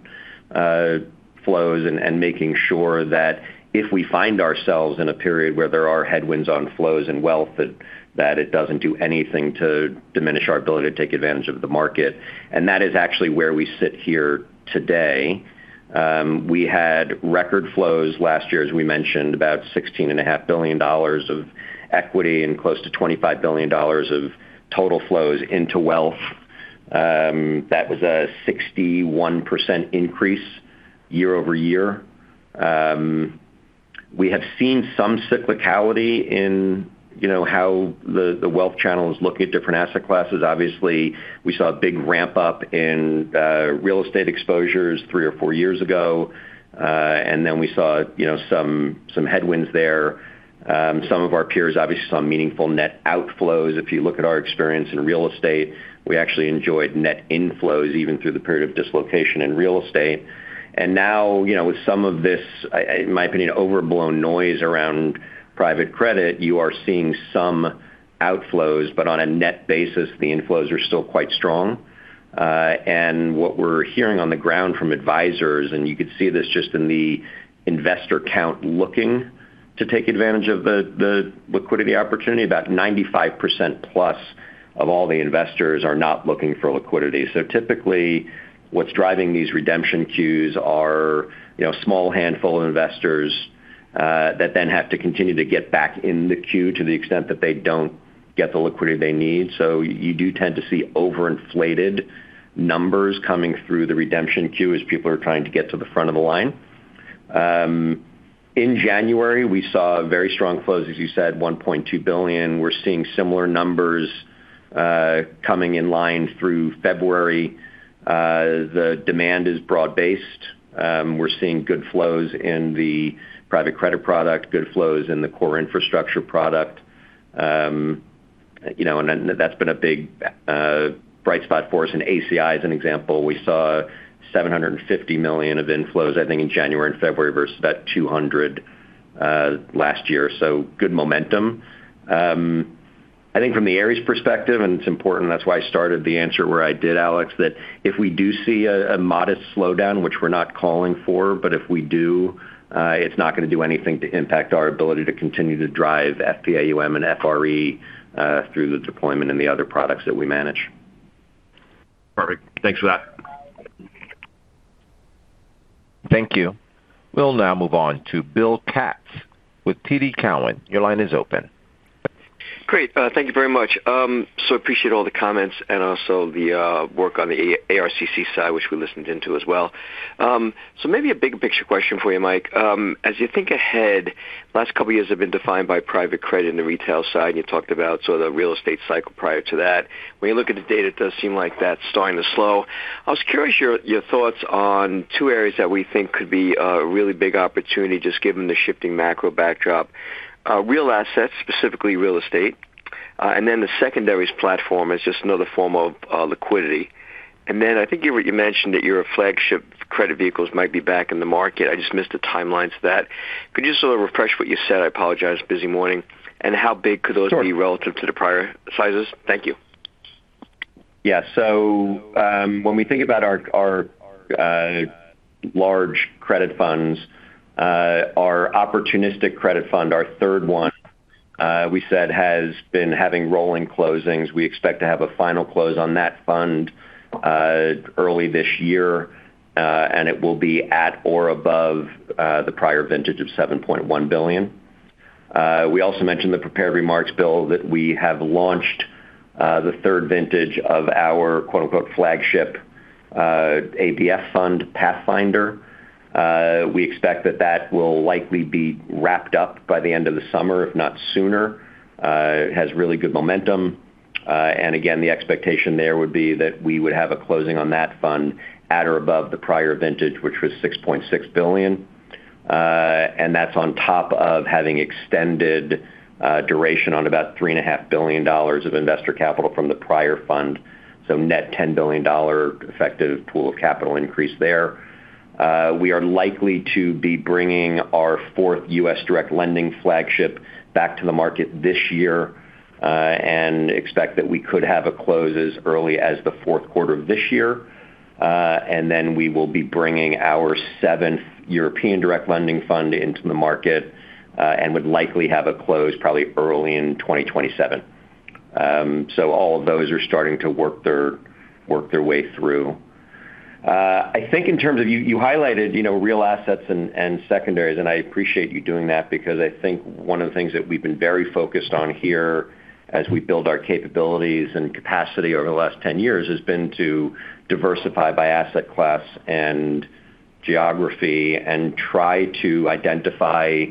flows, and making sure that if we find ourselves in a period where there are headwinds on flows and wealth, that it doesn't do anything to diminish our ability to take advantage of the market. And that is actually where we sit here today. We had record flows last year, as we mentioned, about $16.5 billion of equity and close to $25 billion of total flows into wealth. That was a 61% increase year-over-year. We have seen some cyclicality in, you know, how the wealth channel is looking at different asset classes. Obviously, we saw a big ramp-up in real estate exposures three or four years ago, and then we saw, you know, some headwinds there. Some of our peers, obviously, saw meaningful net outflows. If you look at our experience in real estate, we actually enjoyed net inflows, even through the period of dislocation in real estate. And now, you know, with some of this, in my opinion, overblown noise around private credit, you are seeing some outflows, but on a net basis, the inflows are still quite strong. And what we're hearing on the ground from advisors, and you could see this just in the investor count, looking to take advantage of the liquidity opportunity, about 95% plus of all the investors are not looking for liquidity. So typically, what's driving these redemption queues are, you know, a small handful of investors that then have to continue to get back in the queue to the extent that they don't get the liquidity they need. So you do tend to see overinflated numbers coming through the redemption queue as people are trying to get to the front of the line. In January, we saw very strong flows, as you said, $1.2 billion. We're seeing similar numbers coming in line through February. The demand is broad-based. We're seeing good flows in the private credit product, good flows in the core infrastructure product. You know, and that's been a big bright spot for us. And ACI is an example. We saw $750 million of inflows, I think, in January and February versus about $200 million last year. So good momentum. I think from the Ares perspective, and it's important, that's why I started the answer where I did, Alex, that if we do see a modest slowdown, which we're not calling for, but if we do, it's not gonna do anything to impact our ability to continue to drive FPAUM and FRE through the deployment and the other products that we manage. Perfect. Thanks for that. Thank you. We'll now move on to Bill Katz with TD Cowen. Your line is open. ... Great. Thank you very much. So appreciate all the comments and also the work on the ARCC side, which we listened into as well. So maybe a big picture question for you, Mike. As you think ahead, last couple of years have been defined by private credit in the retail side, and you talked about sort of the real estate cycle prior to that. When you look at the data, it does seem like that's starting to slow. I was curious your thoughts on two areas that we think could be a really big opportunity, just given the shifting macro backdrop. Real assets, specifically real estate, and then the secondaries platform is just another form of liquidity. And then I think you mentioned that your flagship credit vehicles might be back in the market. I just missed the timelines for that. Could you just sort of refresh what you said? I apologize, busy morning. And how big could those be relative to the prior sizes? Thank you. Yeah. So, when we think about our, our, large credit funds, our opportunistic credit fund, our third one, we said, has been having rolling closings. We expect to have a final close on that fund, early this year, and it will be at or above, the prior vintage of $7.1 billion. We also mentioned the prepared remarks, Bill, that we have launched, the third vintage of our quote, unquote, "flagship," ABF fund, Pathfinder. We expect that that will likely be wrapped up by the end of the summer, if not sooner. It has really good momentum. And again, the expectation there would be that we would have a closing on that fund at or above the prior vintage, which was $6.6 billion. And that's on top of having extended duration on about $3.5 billion of investor capital from the prior fund. So net $10 billion effective pool of capital increase there. We are likely to be bringing our 4th U.S. direct lending flagship back to the market this year, and expect that we could have a close as early as the fourth quarter of this year. And then we will be bringing our 7th European direct lending fund into the market, and would likely have a close probably early in 2027. So all of those are starting to work their, work their way through. I think in terms of you highlighted, you know, real assets and secondaries, and I appreciate you doing that because I think one of the things that we've been very focused on here as we build our capabilities and capacity over the last 10 years has been to diversify by asset class and geography, and try to identify,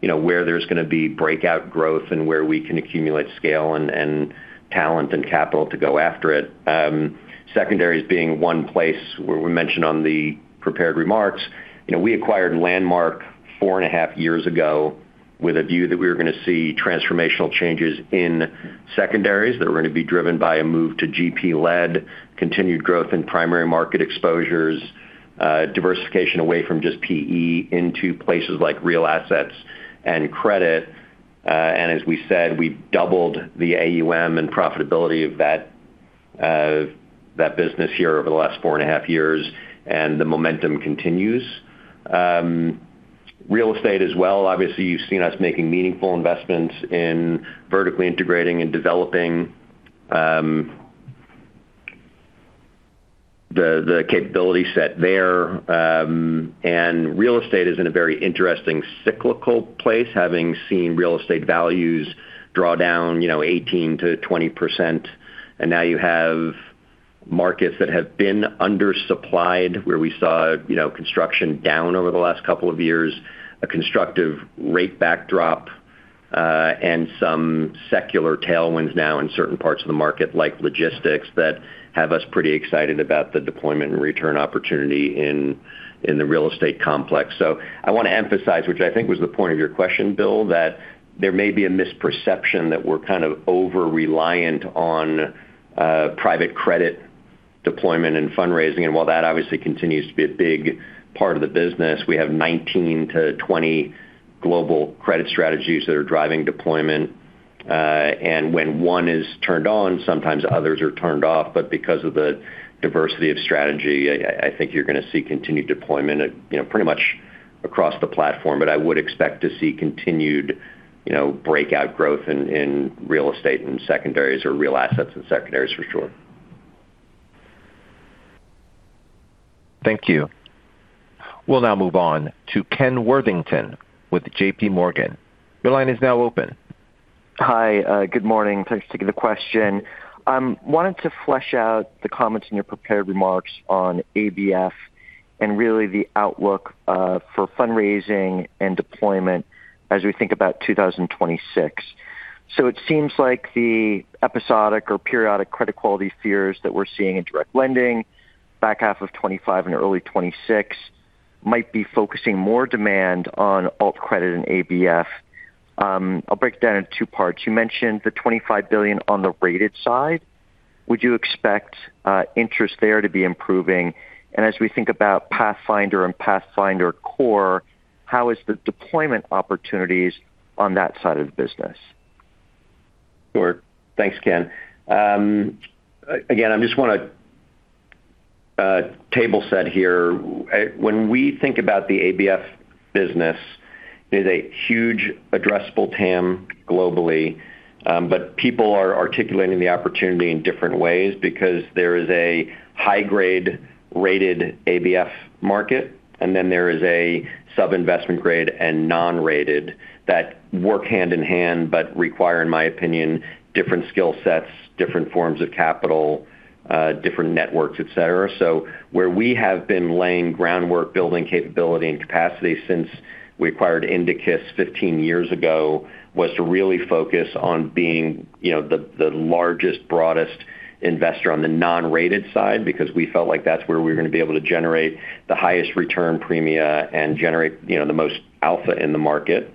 you know, where there's going to be breakout growth and where we can accumulate scale and talent and capital to go after it. Secondaries being one place where we mentioned on the prepared remarks. You know, we acquired Landmark four and a half years ago with a view that we were going to see transformational changes in secondaries, that were going to be driven by a move to GP-led, continued growth in primary market exposures, diversification away from just PE into places like real assets and credit. And as we said, we doubled the AUM and profitability of that, that business here over the last four and a half years, and the momentum continues. Real estate as well. Obviously, you've seen us making meaningful investments in vertically integrating and developing, the, the capability set there. And real estate is in a very interesting cyclical place, having seen real estate values draw down, you know, 18%-20%. Now you have markets that have been undersupplied, where we saw, you know, construction down over the last couple of years, a constructive rate backdrop, and some secular tailwinds now in certain parts of the market, like logistics, that have us pretty excited about the deployment and return opportunity in, in the real estate complex. So I want to emphasize, which I think was the point of your question, Bill, that there may be a misperception that we're kind of over-reliant on private credit deployment and fundraising. And while that obviously continues to be a big part of the business, we have 19-20 global credit strategies that are driving deployment. And when one is turned on, sometimes others are turned off. But because of the diversity of strategy, I, I think you're going to see continued deployment, you know, pretty much across the platform. But I would expect to see continued, you know, breakout growth in real estate and secondaries, or real assets and secondaries for sure. Thank you. We'll now move on to Ken Worthington with J.P. Morgan. Your line is now open. Hi, good morning. Thanks to the question. Wanted to flesh out the comments in your prepared remarks on ABF and really the outlook for fundraising and deployment as we think about 2026. So it seems like the episodic or periodic credit quality fears that we're seeing in direct lending back half of 2025 and early 2026 might be focusing more demand on alt credit and ABF. I'll break down in two parts. You mentioned the $25 billion on the rated side. Would you expect interest there to be improving? And as we think about Pathfinder and Pathfinder Core, how is the deployment opportunities on that side of the business? Sure. Thanks, Ken. Again, I just want to table set here. When we think about the ABF business, there's a huge addressable TAM globally, but people are articulating the opportunity in different ways because there is a high-grade rated ABF market, and then there is a sub-investment grade and non-rated that work hand in hand, but require, in my opinion, different skill sets, different forms of capital, different networks, et cetera. So where we have been laying groundwork, building capability and capacity since we acquired Indicus 15 years ago, was to really focus on being, you know, the largest, broadest investor on the non-rated side, because we felt like that's where we were going to be able to generate the highest return premia and generate, you know, the most alpha in the market.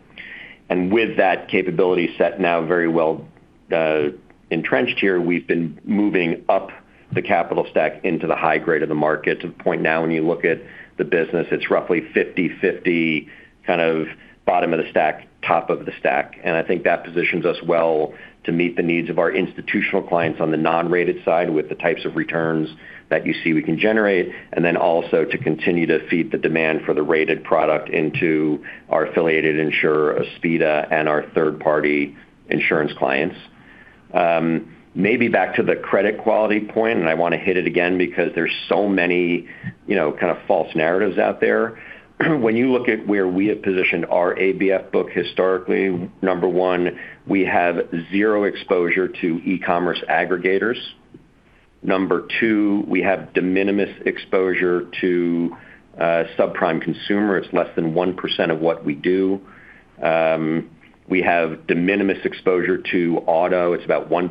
With that capability set now very well entrenched here, we've been moving up the capital stack into the high grade of the market to the point now, when you look at the business, it's roughly 50/50, kind of bottom of the stack, top of the stack. And I think that positions us well to meet the needs of our institutional clients on the non-rated side, with the types of returns that you see we can generate, and then also to continue to feed the demand for the rated product into our affiliated insurer, Aspida, and our third-party insurance clients. Maybe back to the credit quality point, and I want to hit it again because there's so many, you know, kind of false narratives out there. When you look at where we have positioned our ABF book historically, number one, we have zero exposure to e-commerce aggregators. Number two, we have de minimis exposure to subprime consumer. It's less than 1% of what we do. We have de minimis exposure to auto. It's about 1%,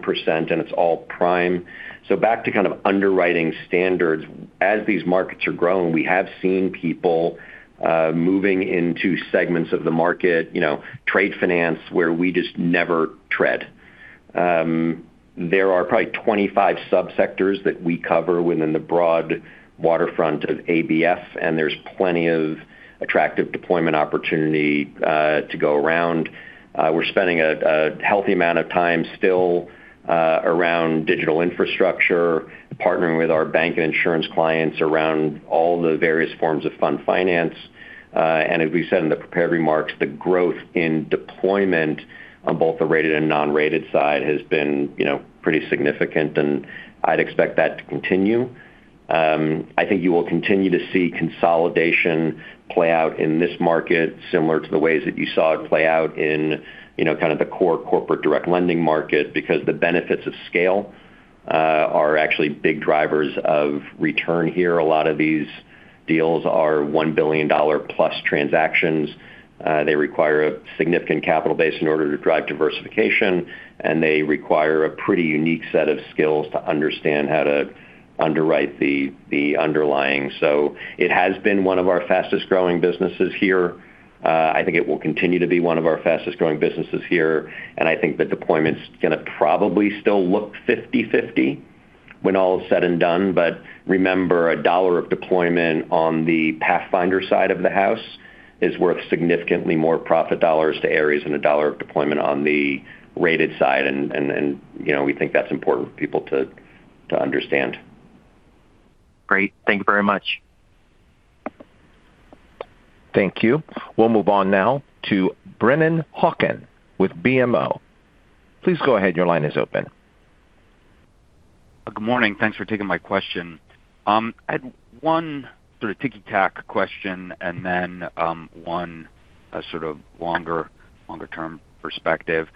and it's all prime. So back to kind of underwriting standards. As these markets are growing, we have seen people moving into segments of the market, you know, trade finance, where we just never tread. There are probably 25 subsectors that we cover within the broad waterfront of ABF, and there's plenty of attractive deployment opportunity to go around. We're spending a healthy amount of time still around digital infrastructure, partnering with our bank and insurance clients around all the various forms of fund finance. And as we said in the prepared remarks, the growth in deployment on both the rated and non-rated side has been, you know, pretty significant, and I'd expect that to continue. I think you will continue to see consolidation play out in this market, similar to the ways that you saw it play out in, you know, kind of the core corporate direct lending market, because the benefits of scale are actually big drivers of return here. A lot of these deals are $1 billion-plus transactions. They require a significant capital base in order to drive diversification, and they require a pretty unique set of skills to understand how to underwrite the underlying. So it has been one of our fastest growing businesses here. I think it will continue to be one of our fastest growing businesses here, and I think the deployment's going to probably still look 50/50 when all is said and done. But remember, a dollar of deployment on the pathfinder side of the house is worth significantly more profit dollars to Ares than a dollar of deployment on the rated side. And, you know, we think that's important for people to understand. Great. Thank you very much. Thank you. We'll move on now to Brennan Hawken with BMO. Please go ahead. Your line is open. Good morning. Thanks for taking my question. I had one sort of ticky tack question and then one sort of longer, longer term perspective.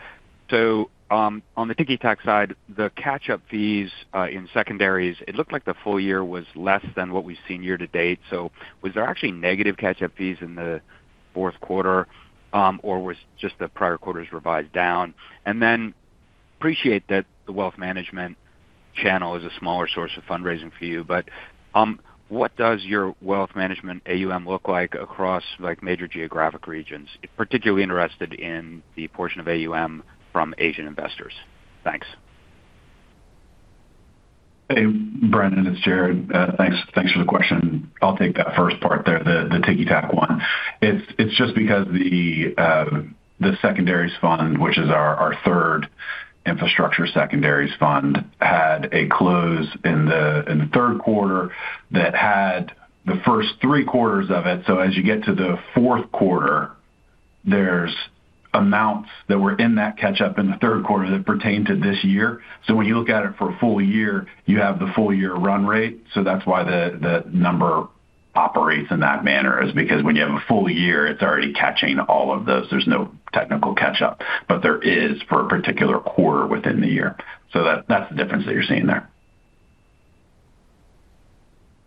So, on the ticky tack side, the catch-up fees in secondaries, it looked like the full year was less than what we've seen year to date. So was there actually negative catch-up fees in the fourth quarter, or was just the prior quarters revised down? And then appreciate that the wealth management channel is a smaller source of fundraising for you, but, what does your wealth management AUM look like across, like, major geographic regions? Particularly interested in the portion of AUM from Asian investors. Thanks. Hey, Brennan, it's Jarrod. Thanks, thanks for the question. I'll take that first part there, the nitty-gritty one. It's just because the secondaries fund, which is our third infrastructure secondaries fund, had a close in the third quarter that had the first three quarters of it. So as you get to the fourth quarter, there's amounts that were in that catch up in the third quarter that pertain to this year. So when you look at it for a full year, you have the full year run rate. So that's why the number operates in that manner, is because when you have a full year, it's already catching all of those. There's no technical catch-up, but there is for a particular quarter within the year. So that's the difference that you're seeing there.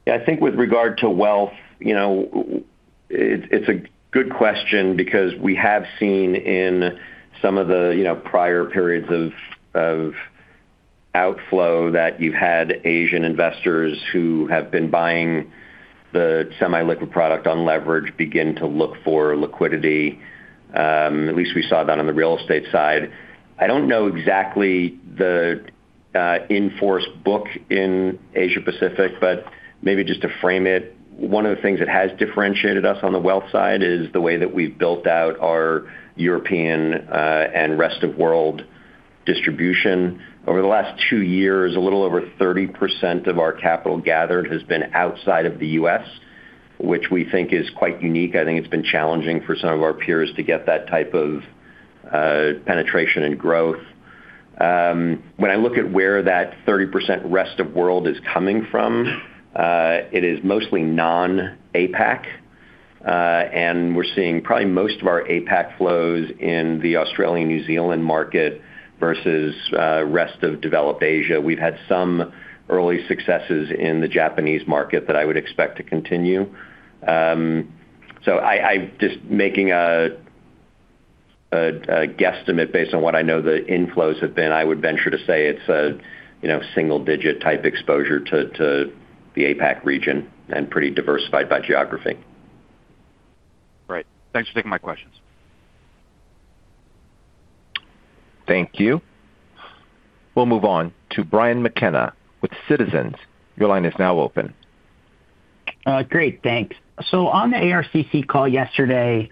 Yeah, I think with regard to wealth, you know, it's a good question because we have seen in some of the, you know, prior periods of outflow, that you've had Asian investors who have been buying the semi-liquid product on leverage begin to look for liquidity. At least we saw that on the real estate side. I don't know exactly the in-force book in Asia Pacific, but maybe just to frame it, one of the things that has differentiated us on the wealth side is the way that we've built out our European and rest of world distribution. Over the last two years, a little over 30% of our capital gathered has been outside of the U.S., which we think is quite unique. I think it's been challenging for some of our peers to get that type of penetration and growth. When I look at where that 30% rest of world is coming from, it is mostly non-APAC. We're seeing probably most of our APAC flows in the Australian, New Zealand market versus rest of developed Asia. We've had some early successes in the Japanese market that I would expect to continue. I just making a guesstimate based on what I know the inflows have been, I would venture to say it's, you know, single digit type exposure to the APAC region and pretty diversified by geography. Right. Thanks for taking my questions. Thank you. We'll move on to Brian McKenna with Citizens. Your line is now open. Great, thanks. So on the ARCC call yesterday,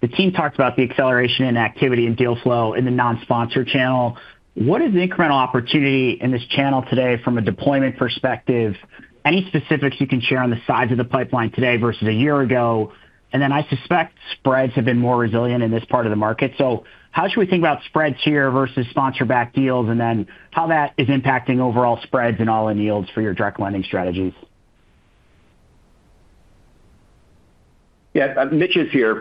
the team talked about the acceleration in activity and deal flow in the nonsponsor channel. What is the incremental opportunity in this channel today from a deployment perspective? Any specifics you can share on the size of the pipeline today versus a year ago? And then I suspect spreads have been more resilient in this part of the market. So how should we think about spreads here versus sponsor-backed deals, and then how that is impacting overall spreads and all-in yields for your direct lending strategies? Yeah, Mitch is here,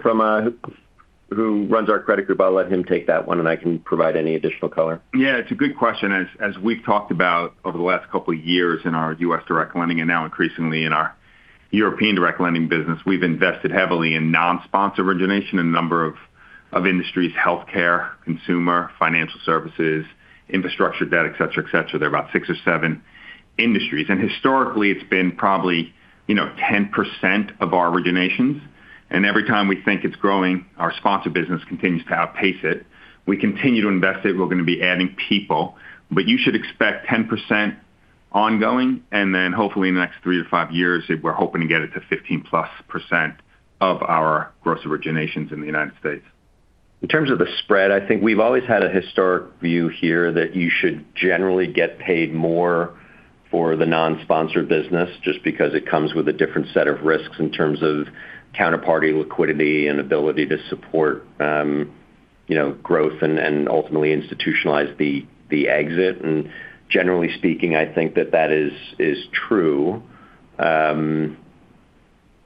who runs our credit group. I'll let him take that one, and I can provide any additional color. Yeah, it's a good question. As we've talked about over the last couple of years in our U.S. direct lending and now increasingly in our European direct lending business, we've invested heavily in nonsponsor origination in a number of industries, healthcare, consumer, financial services, infrastructure, debt, et cetera, et cetera. There are about 6 or 7 industries, and historically, it's been probably, you know, 10% of our originations, and every time we think it's growing, our sponsor business continues to outpace it. We continue to invest it. We're going to be adding people, but you should expect 10% ongoing, and then hopefully in the next three to five years, we're hoping to get it to 15+ % of our gross originations in the United States. In terms of the spread, I think we've always had a historic view here that you should generally get paid more for the nonsponsored business just because it comes with a different set of risks in terms of counterparty liquidity and ability to support, you know, growth and, and ultimately institutionalize the, the exit. And generally speaking, I think that that is, is true.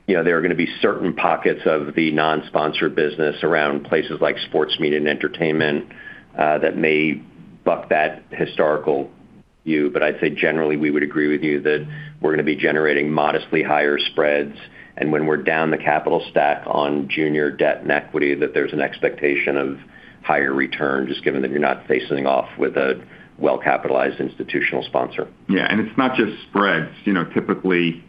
You know, there are going to be certain pockets of the nonsponsored business around places like sports media and entertainment, that may buck that historical view. But I'd say generally, we would agree with you that we're going to be generating modestly higher spreads, and when we're down the capital stack on junior debt and equity, that there's an expectation of higher returns, just given that you're not facing off with a well-capitalized institutional sponsor. Yeah, and it's not just spreads. You know, typically,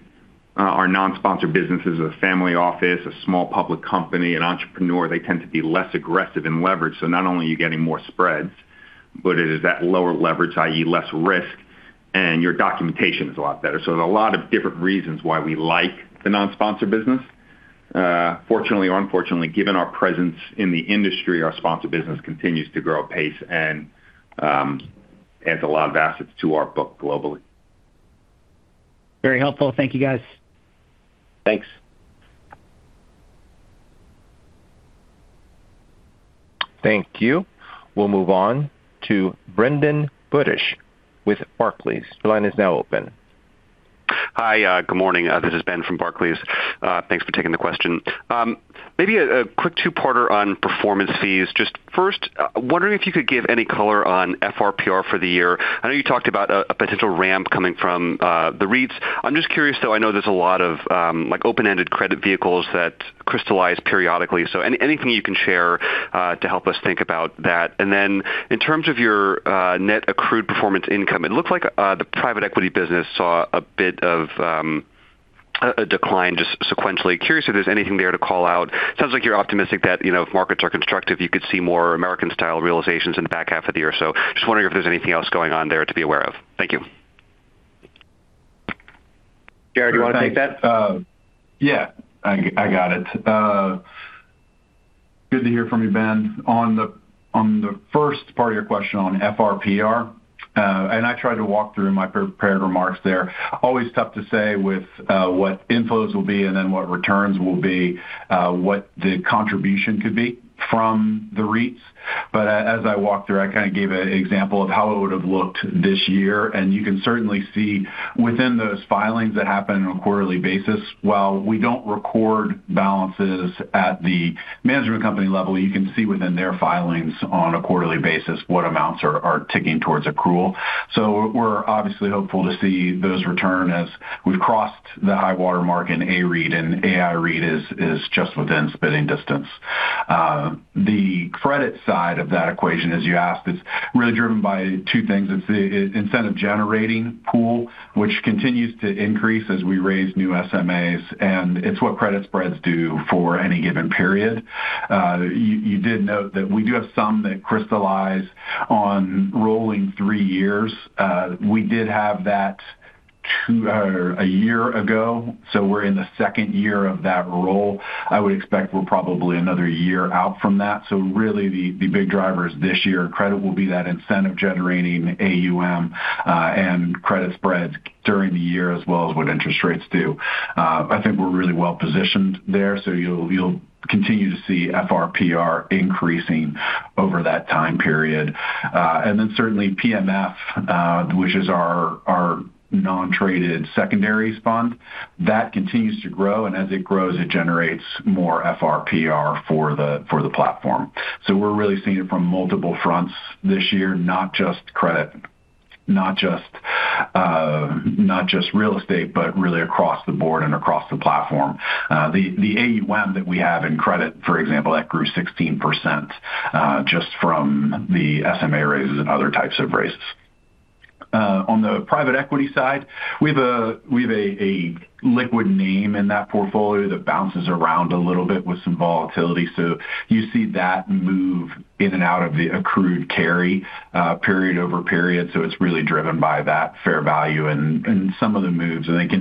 our nonsponsored business is a family office, a small public company, an entrepreneur. They tend to be less aggressive in leverage. So not only are you getting more spreads, but it is that lower leverage, i.e., less risk, and your documentation is a lot better. So there's a lot of different reasons why we like the nonsponsored business. Fortunately or unfortunately, given our presence in the industry, our sponsor business continues to grow apace and adds a lot of assets to our book globally. Very helpful. Thank you, guys. Thanks. Thank you. We'll move on to Benjamin Budish with Barclays. Your line is now open. Hi, good morning. This is Ben from Barclays. Thanks for taking the question. Maybe a quick two-parter on performance fees. Just first, wondering if you could give any color on FRPR for the year. I know you talked about a potential ramp coming from the REITs. I'm just curious, though. I know there's a lot of like open-ended credit vehicles that crystallize periodically. So anything you can share to help us think about that. And then in terms of your net accrued performance income, it looks like the private equity business saw a bit of a decline just sequentially. Curious if there's anything there to call out. Sounds like you're optimistic that, you know, if markets are constructive, you could see more American-style realizations in the back half of the year. Just wondering if there's anything else going on there to be aware of. Thank you. Jarrod, you want to take that? Yeah, I got it. Good to hear from you, Ben. On the first part of your question on FRPR, and I tried to walk through my prepared remarks there. Always tough to say with what inflows will be and then what returns will be, what the contribution could be from the REITs. But as I walked through, I kind of gave an example of how it would have looked this year, and you can certainly see within those filings that happen on a quarterly basis. While we don't record balances at the management company level, you can see within their filings on a quarterly basis what amounts are ticking towards accrual. So we're obviously hopeful to see those return as we've crossed the high-water mark in AREIT, and AIREIT is just within spitting distance. The credit side of that equation, as you asked, is really driven by two things. It's the incentive-generating pool, which continues to increase as we raise new SMAs, and it's what credit spreads do for any given period. You, you did note that we do have some that crystallize on rolling three years. We did have that ...two or three years ago, so we're in the second year of that role. I would expect we're probably another year out from that. So really, the big drivers this year, credit will be that incentive-generating AUM, and credit spreads during the year, as well as what interest rates do. I think we're really well positioned there, so you'll, you'll continue to see FRPR increasing over that time period. And then certainly PMF, which is our Nontraded Secondaries fund, that continues to grow, and as it grows, it generates more FRPR for the platform. So we're really seeing it from multiple fronts this year, not just credit, not just real estate, but really across the board and across the platform. The AUM that we have in credit, for example, that grew 16%, just from the SMA raises and other types of raises. On the private equity side, we have a liquid name in that portfolio that bounces around a little bit with some volatility. So you see that move in and out of the accrued carry, period over period, so it's really driven by that fair value and some of the moves. I think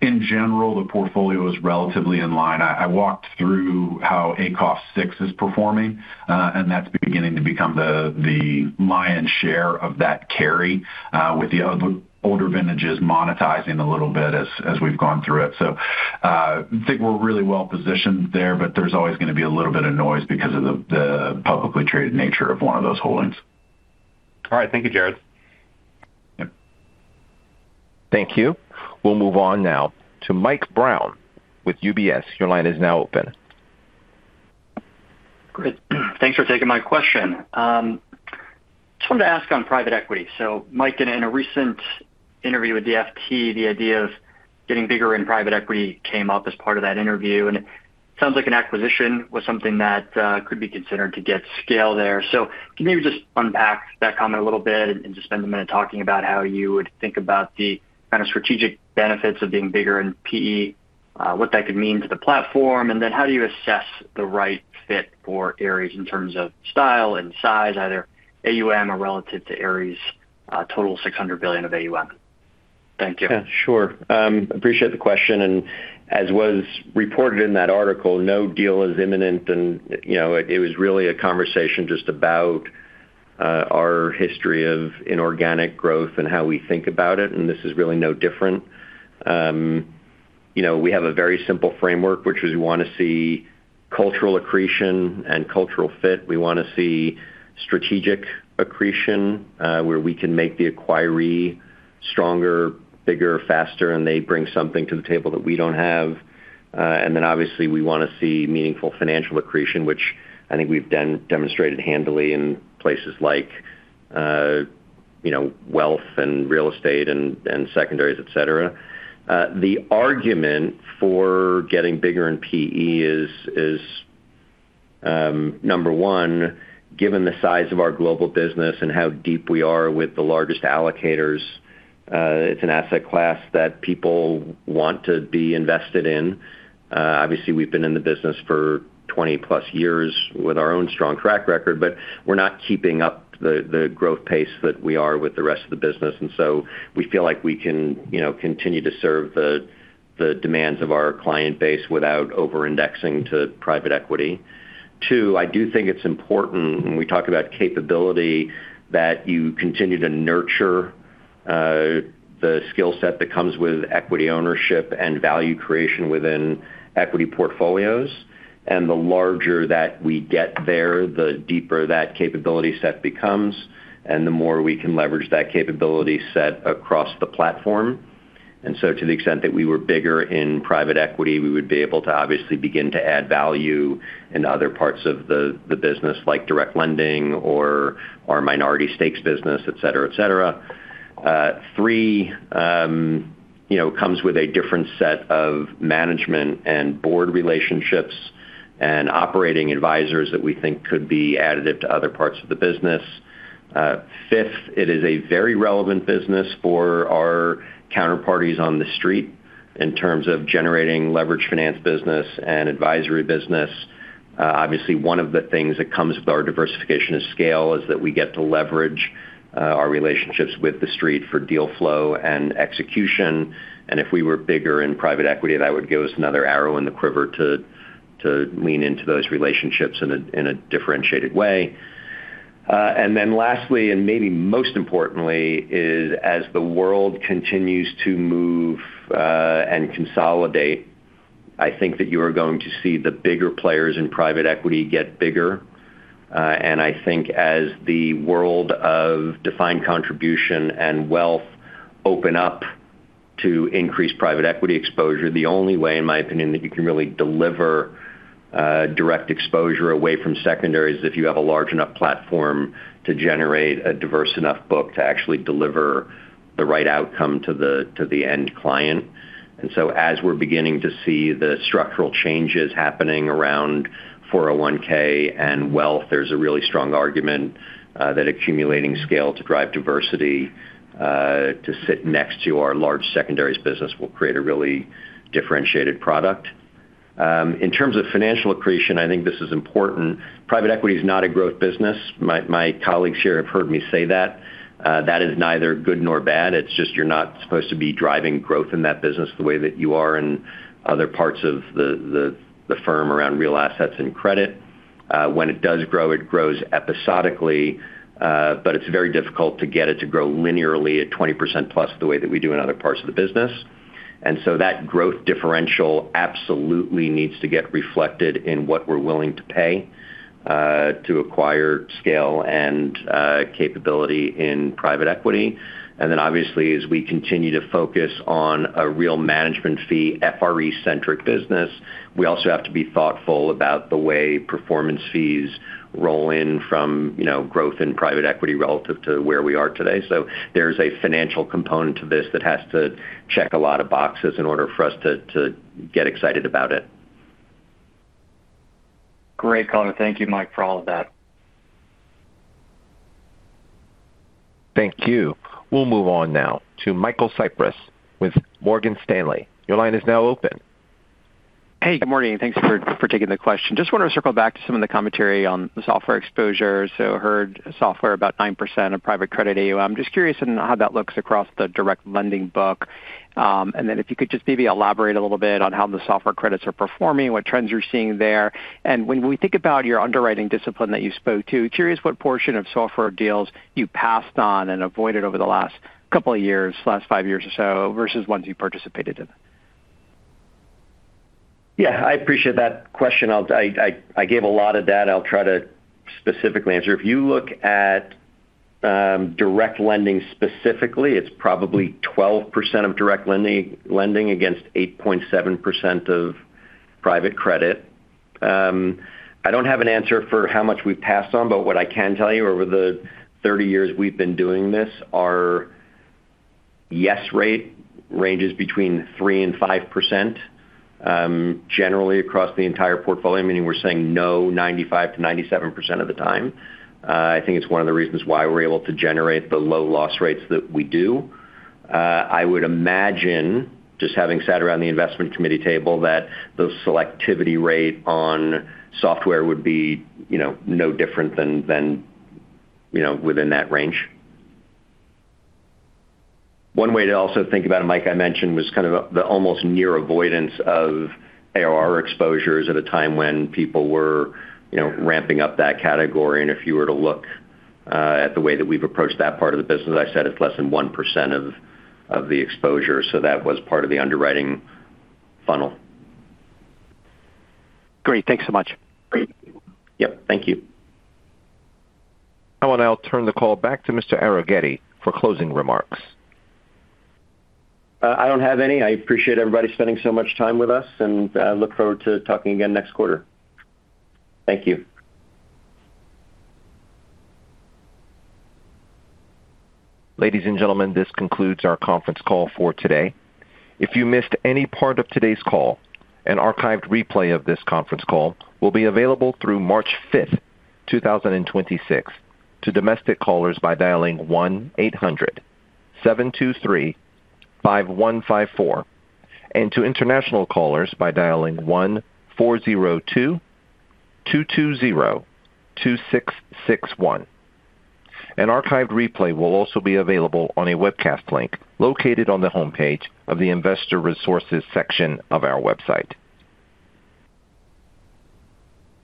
in general, the portfolio is relatively in line. I walked through how ACOF VI is performing, and that's beginning to become the lion's share of that carry, with the older vintages monetizing a little bit as we've gone through it. I think we're really well positioned there, but there's always going to be a little bit of noise because of the publicly traded nature of one of those holdings. All right. Thank you, Jarrod. Yep. Thank you. We'll move on now to Mike Brown with UBS. Your line is now open. Great. Thanks for taking my question. Just wanted to ask on private equity. So Mike, in a recent interview with the FT, the idea of getting bigger in private equity came up as part of that interview, and it sounds like an acquisition was something that could be considered to get scale there. So can you maybe just unpack that comment a little bit and just spend a minute talking about how you would think about the kind of strategic benefits of being bigger in PE, what that could mean to the platform, and then how do you assess the right fit for Ares in terms of style and size, either AUM or relative to Ares', total $600 billion of AUM? Thank you. Yeah, sure. Appreciate the question, and as was reported in that article, no deal is imminent, and, you know, it was really a conversation just about, our history of inorganic growth and how we think about it, and this is really no different. You know, we have a very simple framework, which is we want to see cultural accretion and cultural fit. We want to see strategic accretion, where we can make the acquiree stronger, bigger, faster, and they bring something to the table that we don't have. And then obviously, we want to see meaningful financial accretion, which I think we've done-demonstrated handily in places like, you know, wealth and real estate and, and secondaries, et cetera. The argument for getting bigger in PE is number one, given the size of our global business and how deep we are with the largest allocators, it's an asset class that people want to be invested in. Obviously, we've been in the business for 20+ years with our own strong track record, but we're not keeping up the growth pace that we are with the rest of the business. And so we feel like we can, you know, continue to serve the demands of our client base without over-indexing to private equity. Two, I do think it's important when we talk about capability, that you continue to nurture the skill set that comes with equity ownership and value creation within equity portfolios. And the larger that we get there, the deeper that capability set becomes and the more we can leverage that capability set across the platform. And so to the extent that we were bigger in private equity, we would be able to obviously begin to add value in other parts of the business, like direct lending or our minority stakes business, et cetera, et cetera. Third, you know, comes with a different set of management and board relationships and operating advisors that we think could be additive to other parts of the business. Fifth, it is a very relevant business for our counterparties on the Street in terms of generating leverage finance business and advisory business. Obviously, one of the things that comes with our diversification of scale is that we get to leverage our relationships with the Street for deal flow and execution. And if we were bigger in private equity, that would give us another arrow in the quiver to lean into those relationships in a differentiated way. And then lastly, and maybe most importantly, is as the world continues to move, and consolidate, I think that you are going to see the bigger players in private equity get bigger. And I think as the world of defined contribution and wealth open up to increase private equity exposure, the only way, in my opinion, that you can really deliver direct exposure away from secondaries, if you have a large enough platform to generate a diverse enough book to actually deliver the right outcome to the end client. As we're beginning to see the structural changes happening around 401(k) and wealth, there's a really strong argument that accumulating scale to drive diversity to sit next to our large secondaries business will create a really differentiated product. In terms of financial accretion, I think this is important. Private equity is not a growth business. My colleagues here have heard me say that. That is neither good nor bad. It's just you're not supposed to be driving growth in that business the way that you are in other parts of the firm around real assets and credit. When it does grow, it grows episodically, but it's very difficult to get it to grow linearly at 20%+ the way that we do in other parts of the business. And so that growth differential absolutely needs to get reflected in what we're willing to pay to acquire scale and capability in private equity. And then obviously, as we continue to focus on a real management fee, FRE-centric business, we also have to be thoughtful about the way performance fees roll in from, you know, growth in private equity relative to where we are today. So there's a financial component to this that has to check a lot of boxes in order for us to get excited about it. Great call. Thank you, Mike, for all of that. Thank you. We'll move on now to Michael Cyprys with Morgan Stanley. Your line is now open. Hey, good morning, and thanks for taking the question. Just want to circle back to some of the commentary on the software exposure. So heard software about 9% of private credit AUM. I'm just curious on how that looks across the direct lending book. And then if you could just maybe elaborate a little bit on how the software credits are performing, what trends you're seeing there. And when we think about your underwriting discipline that you spoke to, curious what portion of software deals you passed on and avoided over the last couple of years, last five years or so, versus ones you participated in? Yeah, I appreciate that question. I gave a lot of data. I'll try to specifically answer. If you look at direct lending specifically, it's probably 12% of direct lending, lending against 8.7% of private credit. I don't have an answer for how much we've passed on, but what I can tell you, over the 30 years we've been doing this, our yes rate ranges between 3%-5%, generally across the entire portfolio, meaning we're saying no 95%-97% of the time. I think it's one of the reasons why we're able to generate the low loss rates that we do. I would imagine, just having sat around the investment committee table, that the selectivity rate on software would be, you know, no different than, than, you know, within that range. One way to also think about it, Mike, I mentioned, was kind of the almost near avoidance of ARR exposures at a time when people were, you know, ramping up that category. And if you were to look at the way that we've approached that part of the business, I said it's less than 1% of the exposure, so that was part of the underwriting funnel. Great. Thanks so much. Yep, thank you. I will now turn the call back to Mr. Arougheti for closing remarks. I don't have any. I appreciate everybody spending so much time with us, and I look forward to talking again next quarter. Thank you. Ladies and gentlemen, this concludes our conference call for today. If you missed any part of today's call, an archived replay of this conference call will be available through March 5, 2026, to domestic callers by dialing 1-800-723-5154, and to international callers by dialing 1-402-220-2661. An archived replay will also be available on a webcast link located on the homepage of the Investor Resources section of our website.